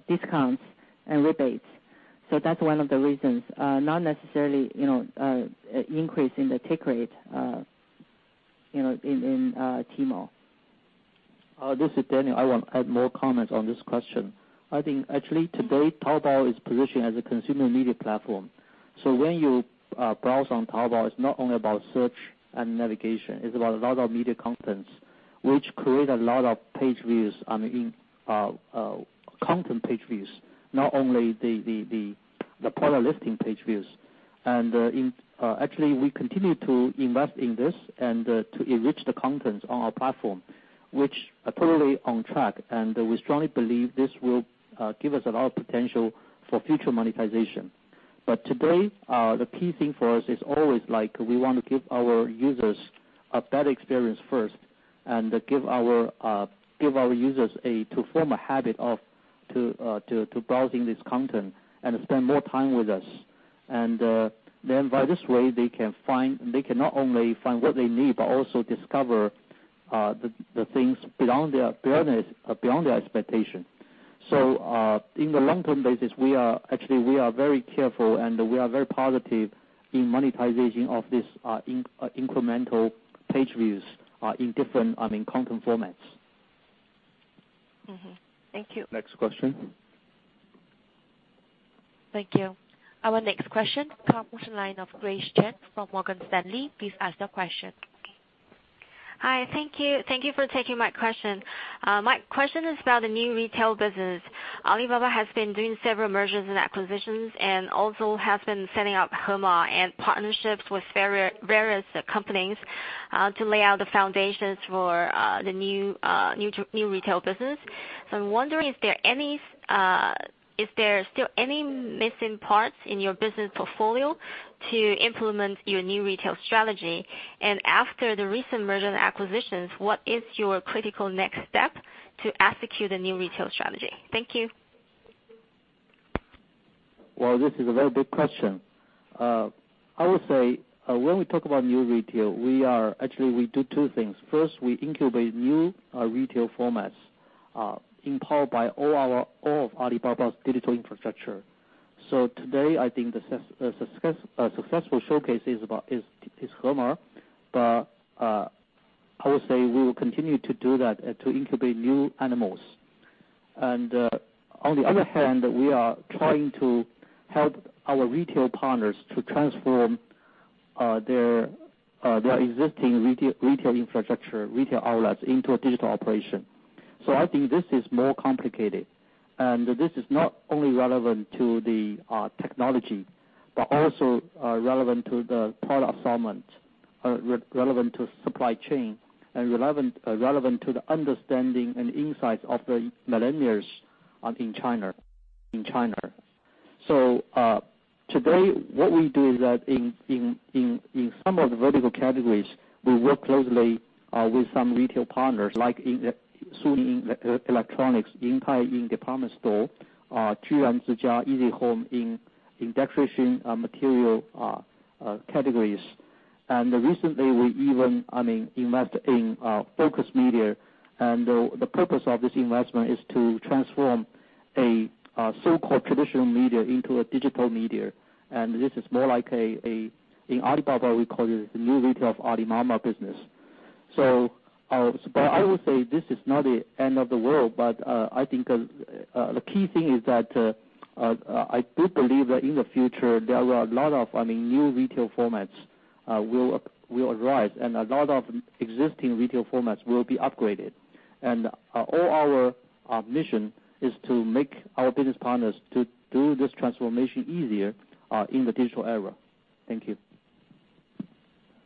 discounts and rebates. That's one of the reasons, not necessarily increase in the take rate in Tmall. This is Daniel. I want to add more comments on this question. I think actually today, Taobao is positioned as a consumer media platform. When you browse on Taobao, it's not only about search and navigation, it's about a lot of media content, which create a lot of content page views, not only the product listing page views. Actually, we continue to invest in this and to enrich the content on our platform, which are totally on track, and we strongly believe this will give us a lot of potential for future monetization. Today, the key thing for us is always we want to give our users a better experience first, and give our users to form a habit of browsing this content and spend more time with us. By this way, they can not only find what they need, but also discover the things beyond their expectation. In the long term basis, actually, we are very careful, and we are very positive in monetization of these incremental page views in different content formats. Thank you. Next question. Thank you. Our next question comes from the line of Grace Chen from Morgan Stanley. Please ask your question. Hi. Thank you for taking my question. My question is about the new retail business. Alibaba has been doing several mergers and acquisitions, and also has been setting up Hema and partnerships with various companies to lay out the foundations for the new retail business. I'm wondering is there still any missing parts in your business portfolio to implement your new retail strategy? After the recent merger and acquisitions, what is your critical next step to execute the new retail strategy? Thank you. This is a very big question. I would say, when we talk about new retail, actually, we do two things. First, we incubate new retail formats, empowered by all of Alibaba's digital infrastructure. Today, I think the successful showcase is Hema, but I would say we will continue to do that, to incubate new animals. On the other hand, we are trying to help our retail partners to transform their existing retail infrastructure, retail outlets, into a digital operation. I think this is more complicated, and this is not only relevant to the technology, but also relevant to the product assortment, relevant to supply chain, and relevant to the understanding and insights of the millennials in China. Today, what we do is that in some of the vertical categories, we work closely with some retail partners like in Suning electronics, department store, Easyhome in decoration material categories. Recently, we even invest in Focus Media. The purpose of this investment is to transform a so-called traditional media into a digital media. This is more like, in Alibaba, we call it the new retail of Alibaba business. I would say this is not the end of the world, but I think the key thing is that I do believe that in the future, there are a lot of new retail formats will arise and a lot of existing retail formats will be upgraded. All our mission is to make our business partners to do this transformation easier in the digital era. Thank you.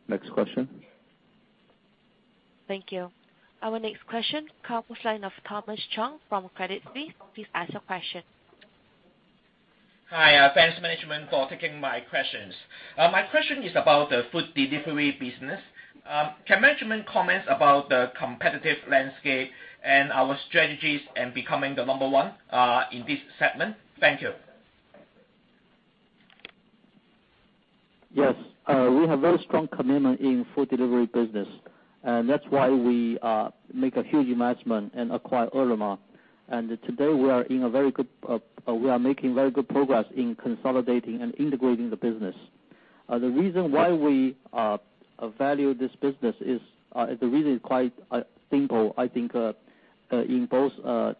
Next question. Thank you. Our next question comes from the line of Thomas Chung from Credit Suisse. Please ask your question. Hi. Thanks, management, for taking my questions. My question is about the food delivery business. Can management comment about the competitive landscape and our strategies in becoming the number one in this segment? Thank you. Yes. We have very strong commitment in food delivery business. That's why we make a huge investment and acquire Ele.me. Today we are making very good progress in consolidating and integrating the business. The reason why we value this business is, the reason is quite simple. I think, in both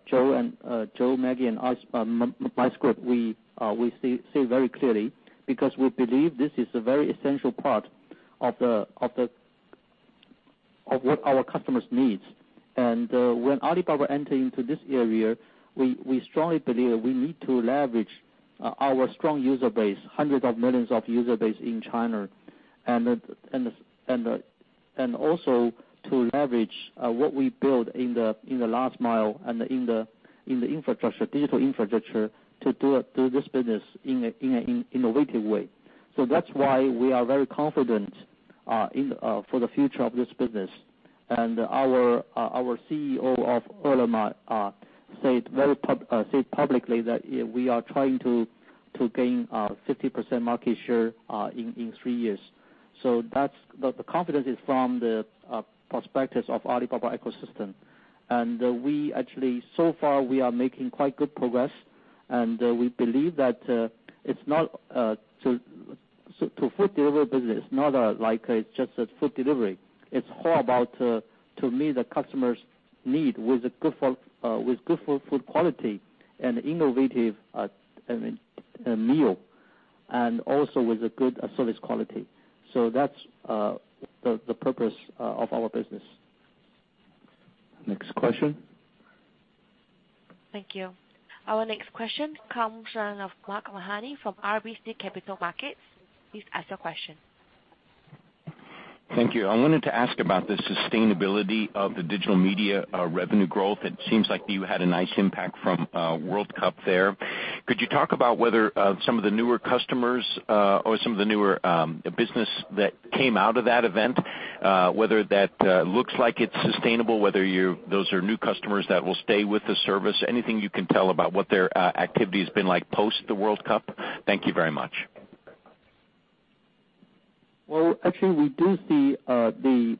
Joe, Maggie, and my script, we see very clearly because we believe this is a very essential part of what our customers need. When Alibaba enter into this area, we strongly believe we need to leverage our strong user base, hundreds of millions of user base in China. Also to leverage what we built in the last mile and in the digital infrastructure to do this business in an innovative way. That's why we are very confident for the future of this business. Our CEO of Ele.me said publicly that we are trying to gain 50% market share in three years. The confidence is from the perspectives of Alibaba ecosystem. Actually, so far, we are making quite good progress. We believe that food delivery business is not like it's just a food delivery. It's all about to meet the customer's need with good food quality and innovative meal. Also with a good service quality. That's the purpose of our business. Next question. Thank you. Our next question comes from Mark Mahaney from RBC Capital Markets. Please ask your question. Thank you. I wanted to ask about the sustainability of the digital media revenue growth. It seems like you had a nice impact from World Cup there. Could you talk about whether some of the newer customers, or some of the newer business that came out of that event, whether that looks like it's sustainable, whether those are new customers that will stay with the service. Anything you can tell about what their activity has been like post the World Cup? Thank you very much. Well, actually, we do see the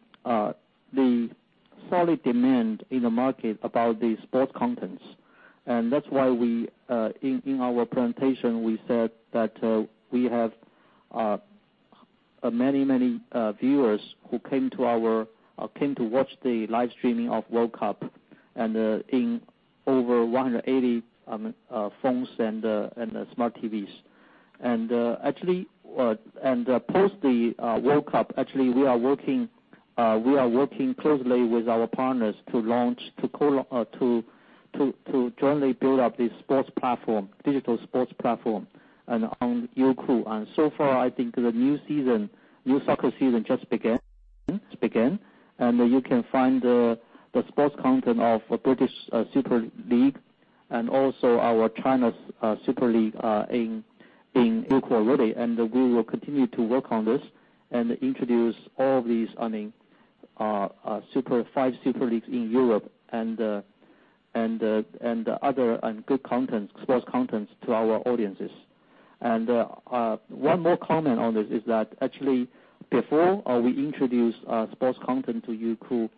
solid demand in the market about the sports contents. That's why in our presentation, we said that we have many viewers who came to watch the live streaming of World Cup and in over 180 phones and smart TVs. Post the World Cup, actually, we are working closely with our partners to jointly build up this digital sports platform on Youku. So far, I think the new soccer season just began, and you can find the sports content of British Super League and also our Chinese Super League in Youku already. We will continue to work on this and introduce all these five super leagues in Europe and other good sports contents to our audiences. One more comment on this is that, actually, before we introduced sports content to Youku,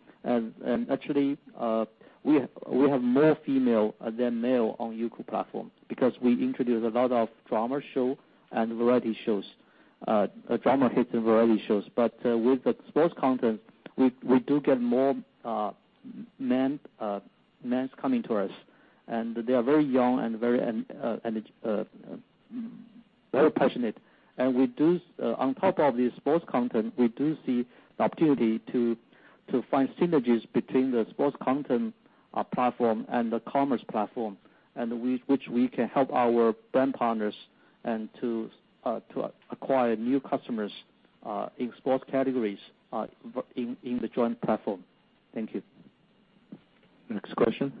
actually, we have more female than male on Youku platform because we introduce a lot of drama show and variety shows, drama hits and variety shows. With the sports content, we do get more men coming to us. They are very young and very passionate. On top of the sports content, we do see the opportunity to find synergies between the sports content platform and the commerce platform, and with which we can help our brand partners, and to acquire new customers in sports categories in the joint platform. Thank you. Next question.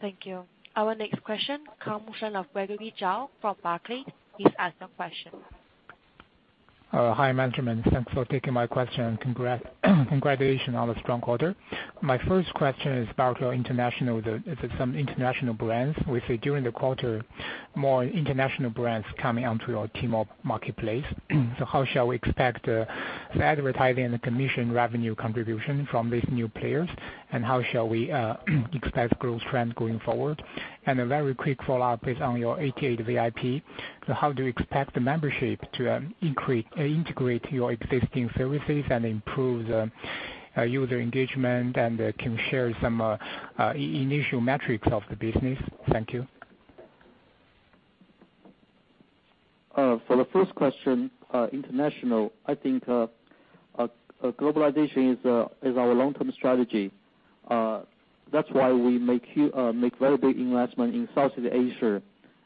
Thank you. Our next question comes from Gregory Zhao from Barclays. Please ask your question. Hi, management. Thanks for taking my question, and congratulations on the strong quarter. My first question is about your international, some international brands. We see during the quarter, more international brands coming onto your Tmall marketplace. How shall we expect the advertising and the commission revenue contribution from these new players, and how shall we expect growth trend going forward? A very quick follow-up is on your 88VIP. How do you expect the membership to integrate your existing services and improve the user engagement, and can you share some initial metrics of the business? Thank you. For the first question, international, I think globalization is our long-term strategy. That's why we make very big investment in Southeast Asia,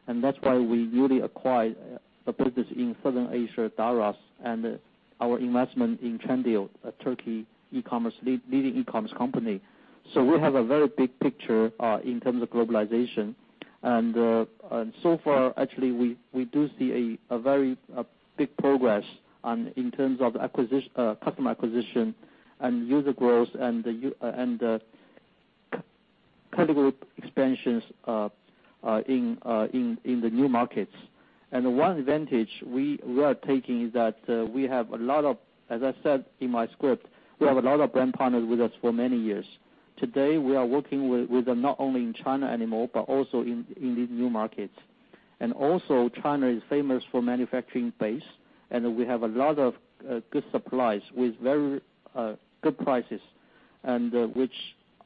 and that's why we newly acquired a business in Southern Asia, Daraz, and our investment in Trendyol, a Turkey leading e-commerce company. We have a very big picture in terms of globalization. So far, actually, we do see a very big progress in terms of customer acquisition and user growth and the category expansions in the new markets. One advantage we are taking is that, as I said in my script, we have a lot of brand partners with us for many years. Today, we are working with them not only in China anymore, but also in these new markets. China is famous for manufacturing base. We have a lot of good supplies with very good prices, which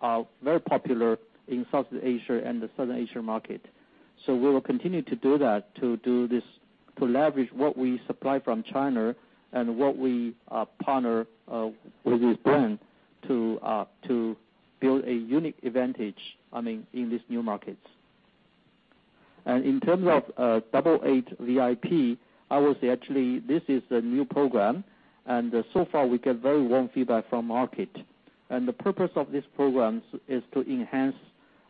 are very popular in South Asia and the Southern Asia market. We will continue to do that, to leverage what we supply from China and what we partner with this brand to build a unique advantage in these new markets. In terms of 88VIP, I would say actually this is a new program. So far we get very warm feedback from market. The purpose of this program is to enhance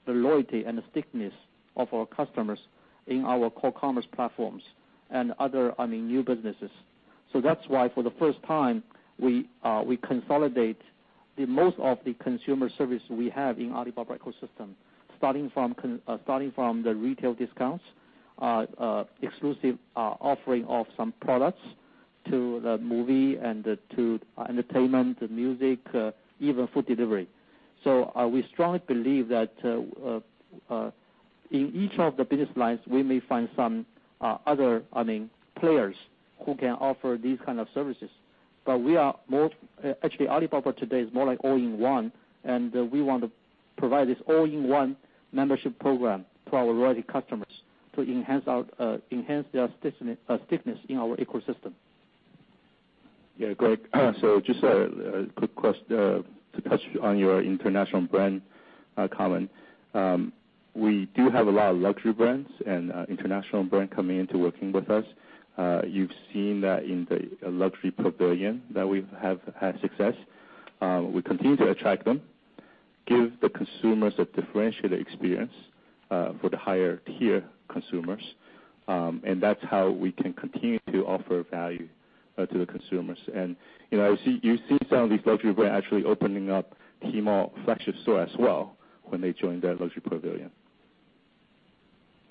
the loyalty and the stickiness of our customers in our core commerce platforms and other new businesses. That's why for the first time, we consolidate the most of the consumer service we have in Alibaba ecosystem, starting from the retail discounts, exclusive offering of some products to the movie and to entertainment, music, even food delivery. We strongly believe that in each of the business lines, we may find some other players who can offer these kind of services. Actually Alibaba today is more like all-in-one, and we want to provide this all-in-one membership program to our loyalty customers to enhance their stickiness in our ecosystem. Greg. Just a quick question to touch on your international brand comment. We do have a lot of luxury brands and international brand coming into working with us. You've seen that in the Luxury Pavilion that we have had success. We continue to attract them, give the consumers a differentiated experience for the higher tier consumers, and that's how we can continue to offer value to the consumers. You see some of these luxury brands actually opening up Tmall flagship store as well when they join the Luxury Pavilion.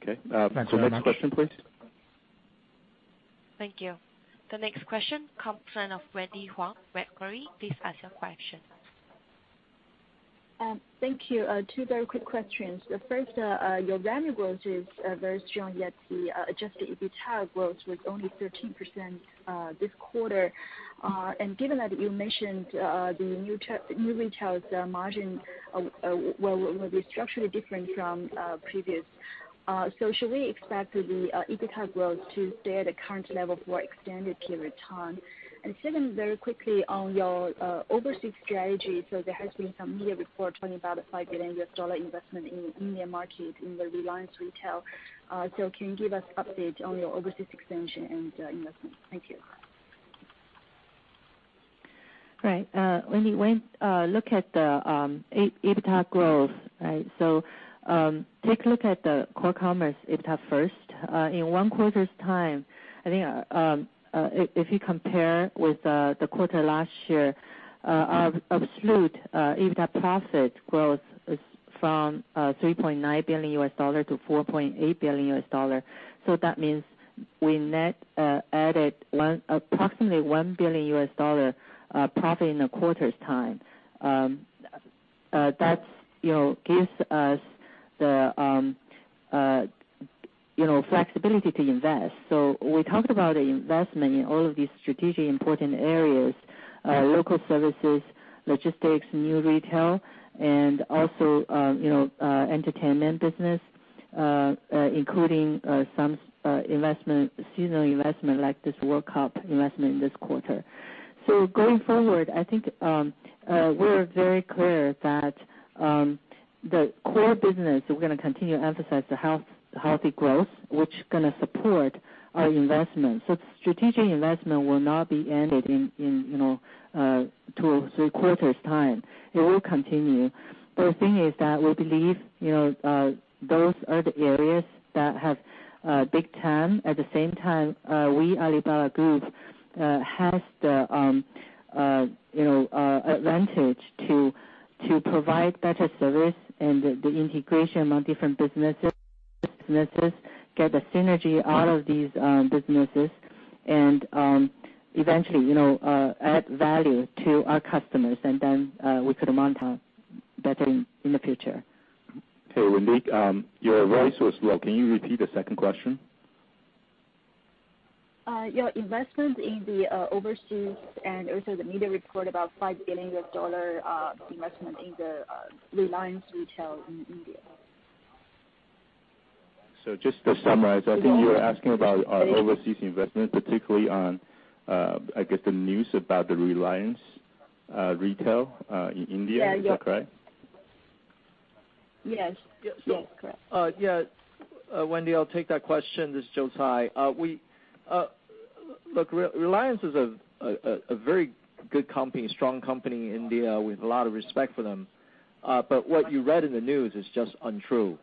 Thanks very much. Next question, please. Thank you. The next question, come from line of Wendy Huang, Macquarie. Please ask your question. Thank you. Two very quick questions. The first, your revenue growth is very strong, yet the adjusted EBITDA growth was only 13% this quarter. Given that you mentioned the New Retail's margin will be structurally different from previous. Should we expect the adjusted EBITDA growth to stay at the current level for extended period of time? Second, very quickly on your overseas strategy. There has been some media report talking about a $5 billion investment in India market in the Reliance Retail. Can you give us update on your overseas expansion and investment? Thank you. Right. Wendy, when look at the EBITDA growth. Take a look at the core commerce EBITDA first. In one quarter's time, I think if you compare with the quarter last year, our absolute EBITDA profit growth is from $3.9 billion to $4.8 billion. That means we net added approximately $1 billion profit in a quarter's time. That gives us the flexibility to invest. We talked about investment in all of these strategically important areas, local services, logistics, New Retail, and also entertainment business, including some seasonal investment like this World Cup investment in this quarter. Going forward, I think we're very clear that the core business, we're going to continue to emphasize the healthy growth, which going to support our investment. Strategic investment will not be ended in two or three quarters' time. It will continue. The thing is that we believe those are the areas that have big TAM. At the same time, we, Alibaba Group, has the advantage to provide better service and the integration among different businesses, get the synergy out of these businesses and eventually add value to our customers, and then we could monetize better in the future. Hey, Wendy. Your voice was low. Can you repeat the second question? Your investment in the overseas and also the media report about $5 billion investment in the Reliance Retail in India. Just to summarize, I think you were asking about our overseas investment, particularly on, I guess the news about the Reliance Retail in India. Yeah. Is that correct? Yes. That's correct. Yeah. Wendy, I'll take that question. This is Joe Tsai. Look, Reliance is a very good company, strong company in India. We've a lot of respect for them. But what you read in the news is just untrue.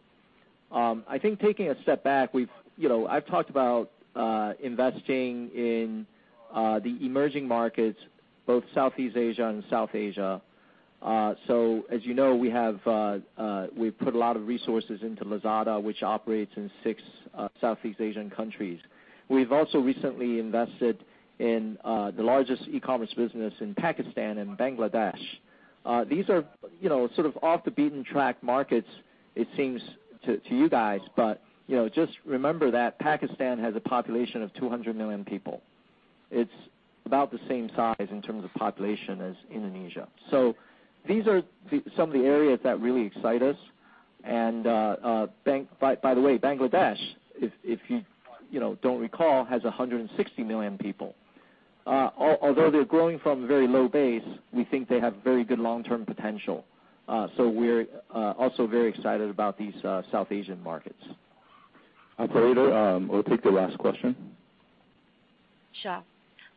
I think taking a step back, I've talked about investing in the emerging markets, both Southeast Asia and South Asia. As you know, we've put a lot of resources into Lazada, which operates in six Southeast Asian countries. We've also recently invested in the largest e-commerce business in Pakistan and Bangladesh. These are sort of off the beaten track markets it seems to you guys, but just remember that Pakistan has a population of 200 million people. It's about the same size in terms of population as Indonesia. These are some of the areas that really excite us. By the way, Bangladesh, if you don't recall, has 160 million people. Although they're growing from a very low base, we think they have very good long-term potential. We're also very excited about these South Asian markets. Operator, we'll take the last question. Sure.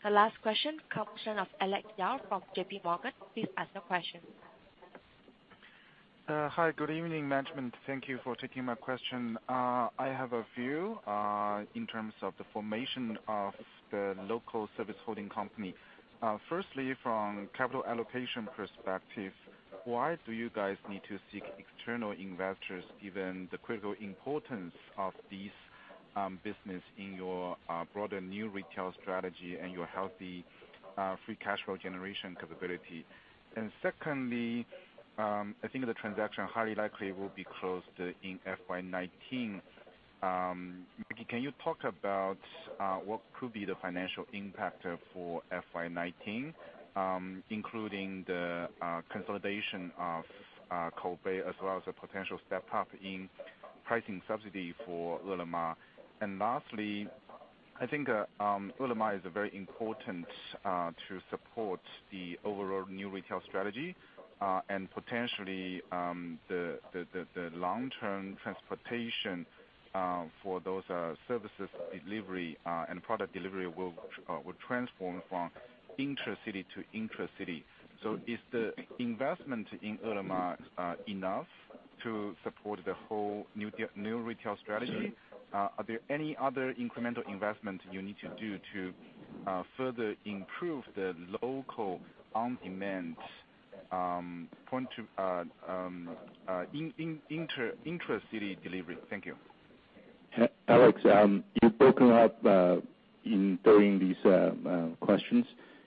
The last question comes in of Alex Yao from J.P. Morgan. Please ask your question. Hi. Good evening, management. Thank you for taking my question. I have a few in terms of the formation of the local service holding company. Firstly, from capital allocation perspective, why do you guys need to seek external investors given the critical importance of these business in your broader new retail strategy and your healthy free cash flow generation capability? Secondly, I think the transaction highly likely will be closed in FY '19. Can you talk about what could be the financial impact for FY '19, including the consolidation of Koubei as well as the potential step-up in pricing subsidy for Hema? Lastly, I think Hema is very important to support the overall new retail strategy. Potentially, the long-term transportation for those services delivery and product delivery will transform from intracity to intercity. Is the investment in Hema enough to support the whole new retail strategy? Are there any other incremental investment you need to do to further improve the local on-demand intracity delivery? Thank you. Alex, you've broken up during these questions.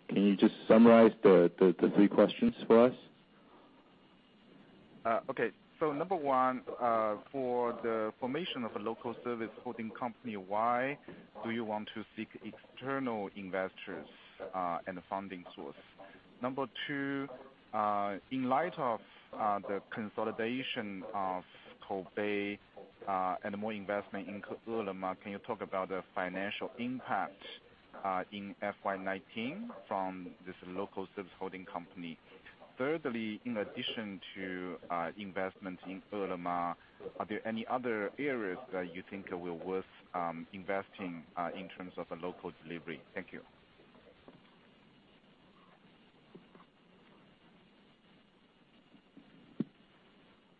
Can you just summarize the three questions for us? Number 1, for the formation of a local service holding company, why do you want to seek external investors and funding source? Number 2, in light of the consolidation of Koubei and more investment in Ele.me, can you talk about the financial impact in FY 2019 from this local service holding company? Thirdly, in addition to investment in Ele.me, are there any other areas that you think are worth investing in terms of the local delivery? Thank you.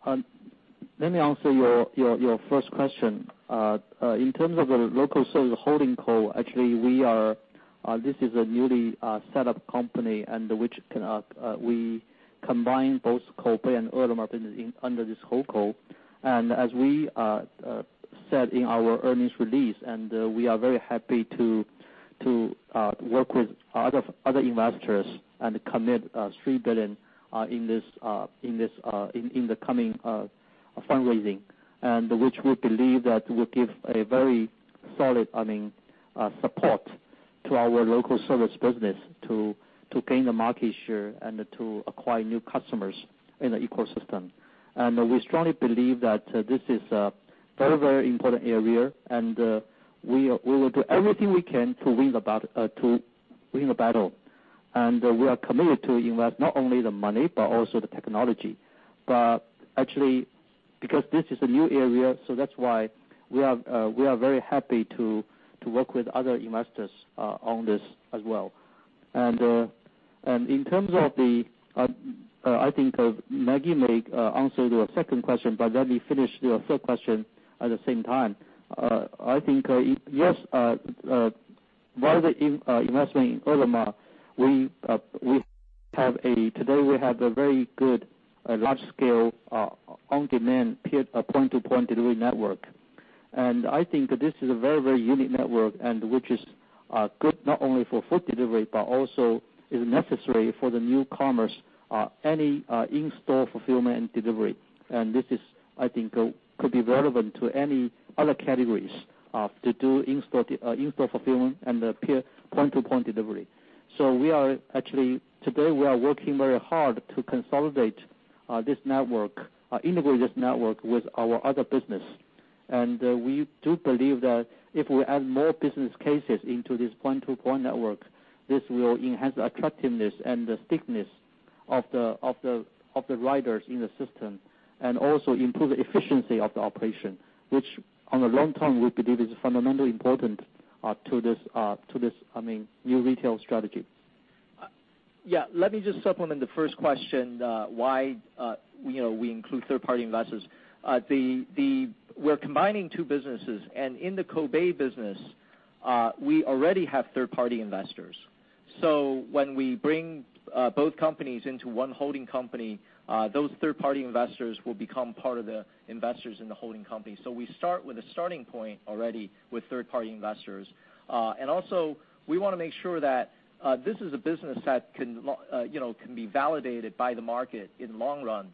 Let me answer your first question. In terms of the local service holding co., actually, this is a newly set-up company, which we combine both Koubei and Ele.me business under this whole co. As we said in our earnings release, we are very happy to work with other investors and commit 3 billion in the coming fundraising, which we believe that will give a very solid support to our local service business to gain the market share and to acquire new customers in the ecosystem. We strongly believe that this is a very important area, we will do everything we can to win the battle. We are committed to invest not only the money, but also the technology. Actually, because this is a new area, that's why we are very happy to work with other investors on this as well. In terms of the, I think Maggie may answer your second question, let me finish your third question at the same time. I think, yes, by the investment in Ele.me, today we have a very good large scale on-demand point-to-point delivery network. I think this is a very unique network which is good not only for food delivery, but also is necessary for the new commerce, any in-store fulfillment and delivery. This I think could be relevant to any other categories to do in-store fulfillment and point-to-point delivery. Actually, today we are working very hard to consolidate this network, integrate this network with our other business. We do believe that if we add more business cases into this point-to-point network, this will enhance the attractiveness and the stickiness of the riders in the system, and also improve the efficiency of the operation, which on the long term, we believe is fundamentally important to this new retail strategy. Let me just supplement the first question why we include third-party investors. We're combining two businesses, and in the Koubei business, we already have third-party investors. When we bring both companies into one holding company, those third-party investors will become part of the investors in the holding company. We start with a starting point already with third-party investors. Also we want to make sure that this is a business that can be validated by the market in long run.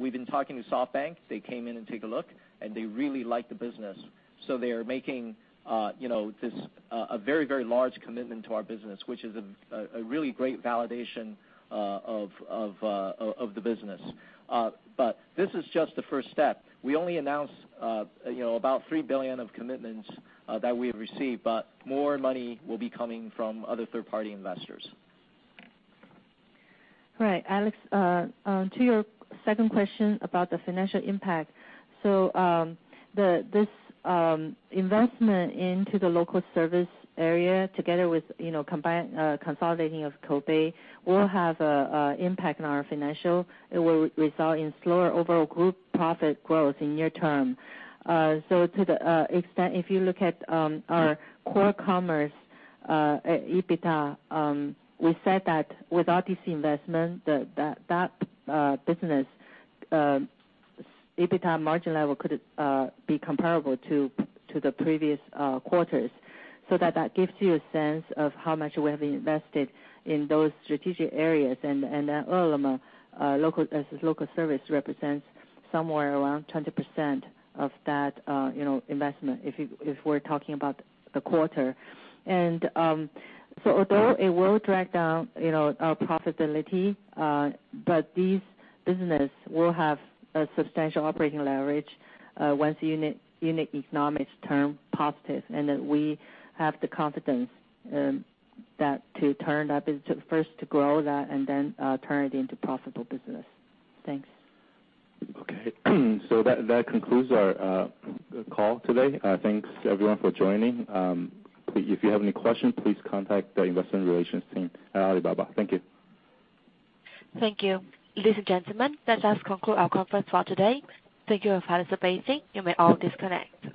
We've been talking to SoftBank. They came in and take a look, and they really like the business. They are making a very large commitment to our business, which is a really great validation of the business. This is just the first step. We only announced about 3 billion of commitments that we have received, more money will be coming from other third-party investors. Alex, to your second question about the financial impact. This investment into the local service area together with consolidation of Koubei will have an impact on our financial. It will result in slower overall group profit growth in near term. To the extent, if you look at our core commerce EBITDA, we said that without this investment, that business EBITDA margin level could be comparable to the previous quarters. That gives you a sense of how much we have invested in those strategic areas. Hema, local service represents somewhere around 20% of that investment if we're talking about the quarter. Although it will drag down our profitability, but this business will have a substantial operating leverage once unit economics turn positive. That we have the confidence that to turn that business into profitable business. Thanks. That concludes our call today. Thanks everyone for joining. If you have any questions, please contact the investor relations team at Alibaba. Thank you. Thank you. Ladies and gentlemen, that does conclude our conference for today. Thank you for participating. You may all disconnect.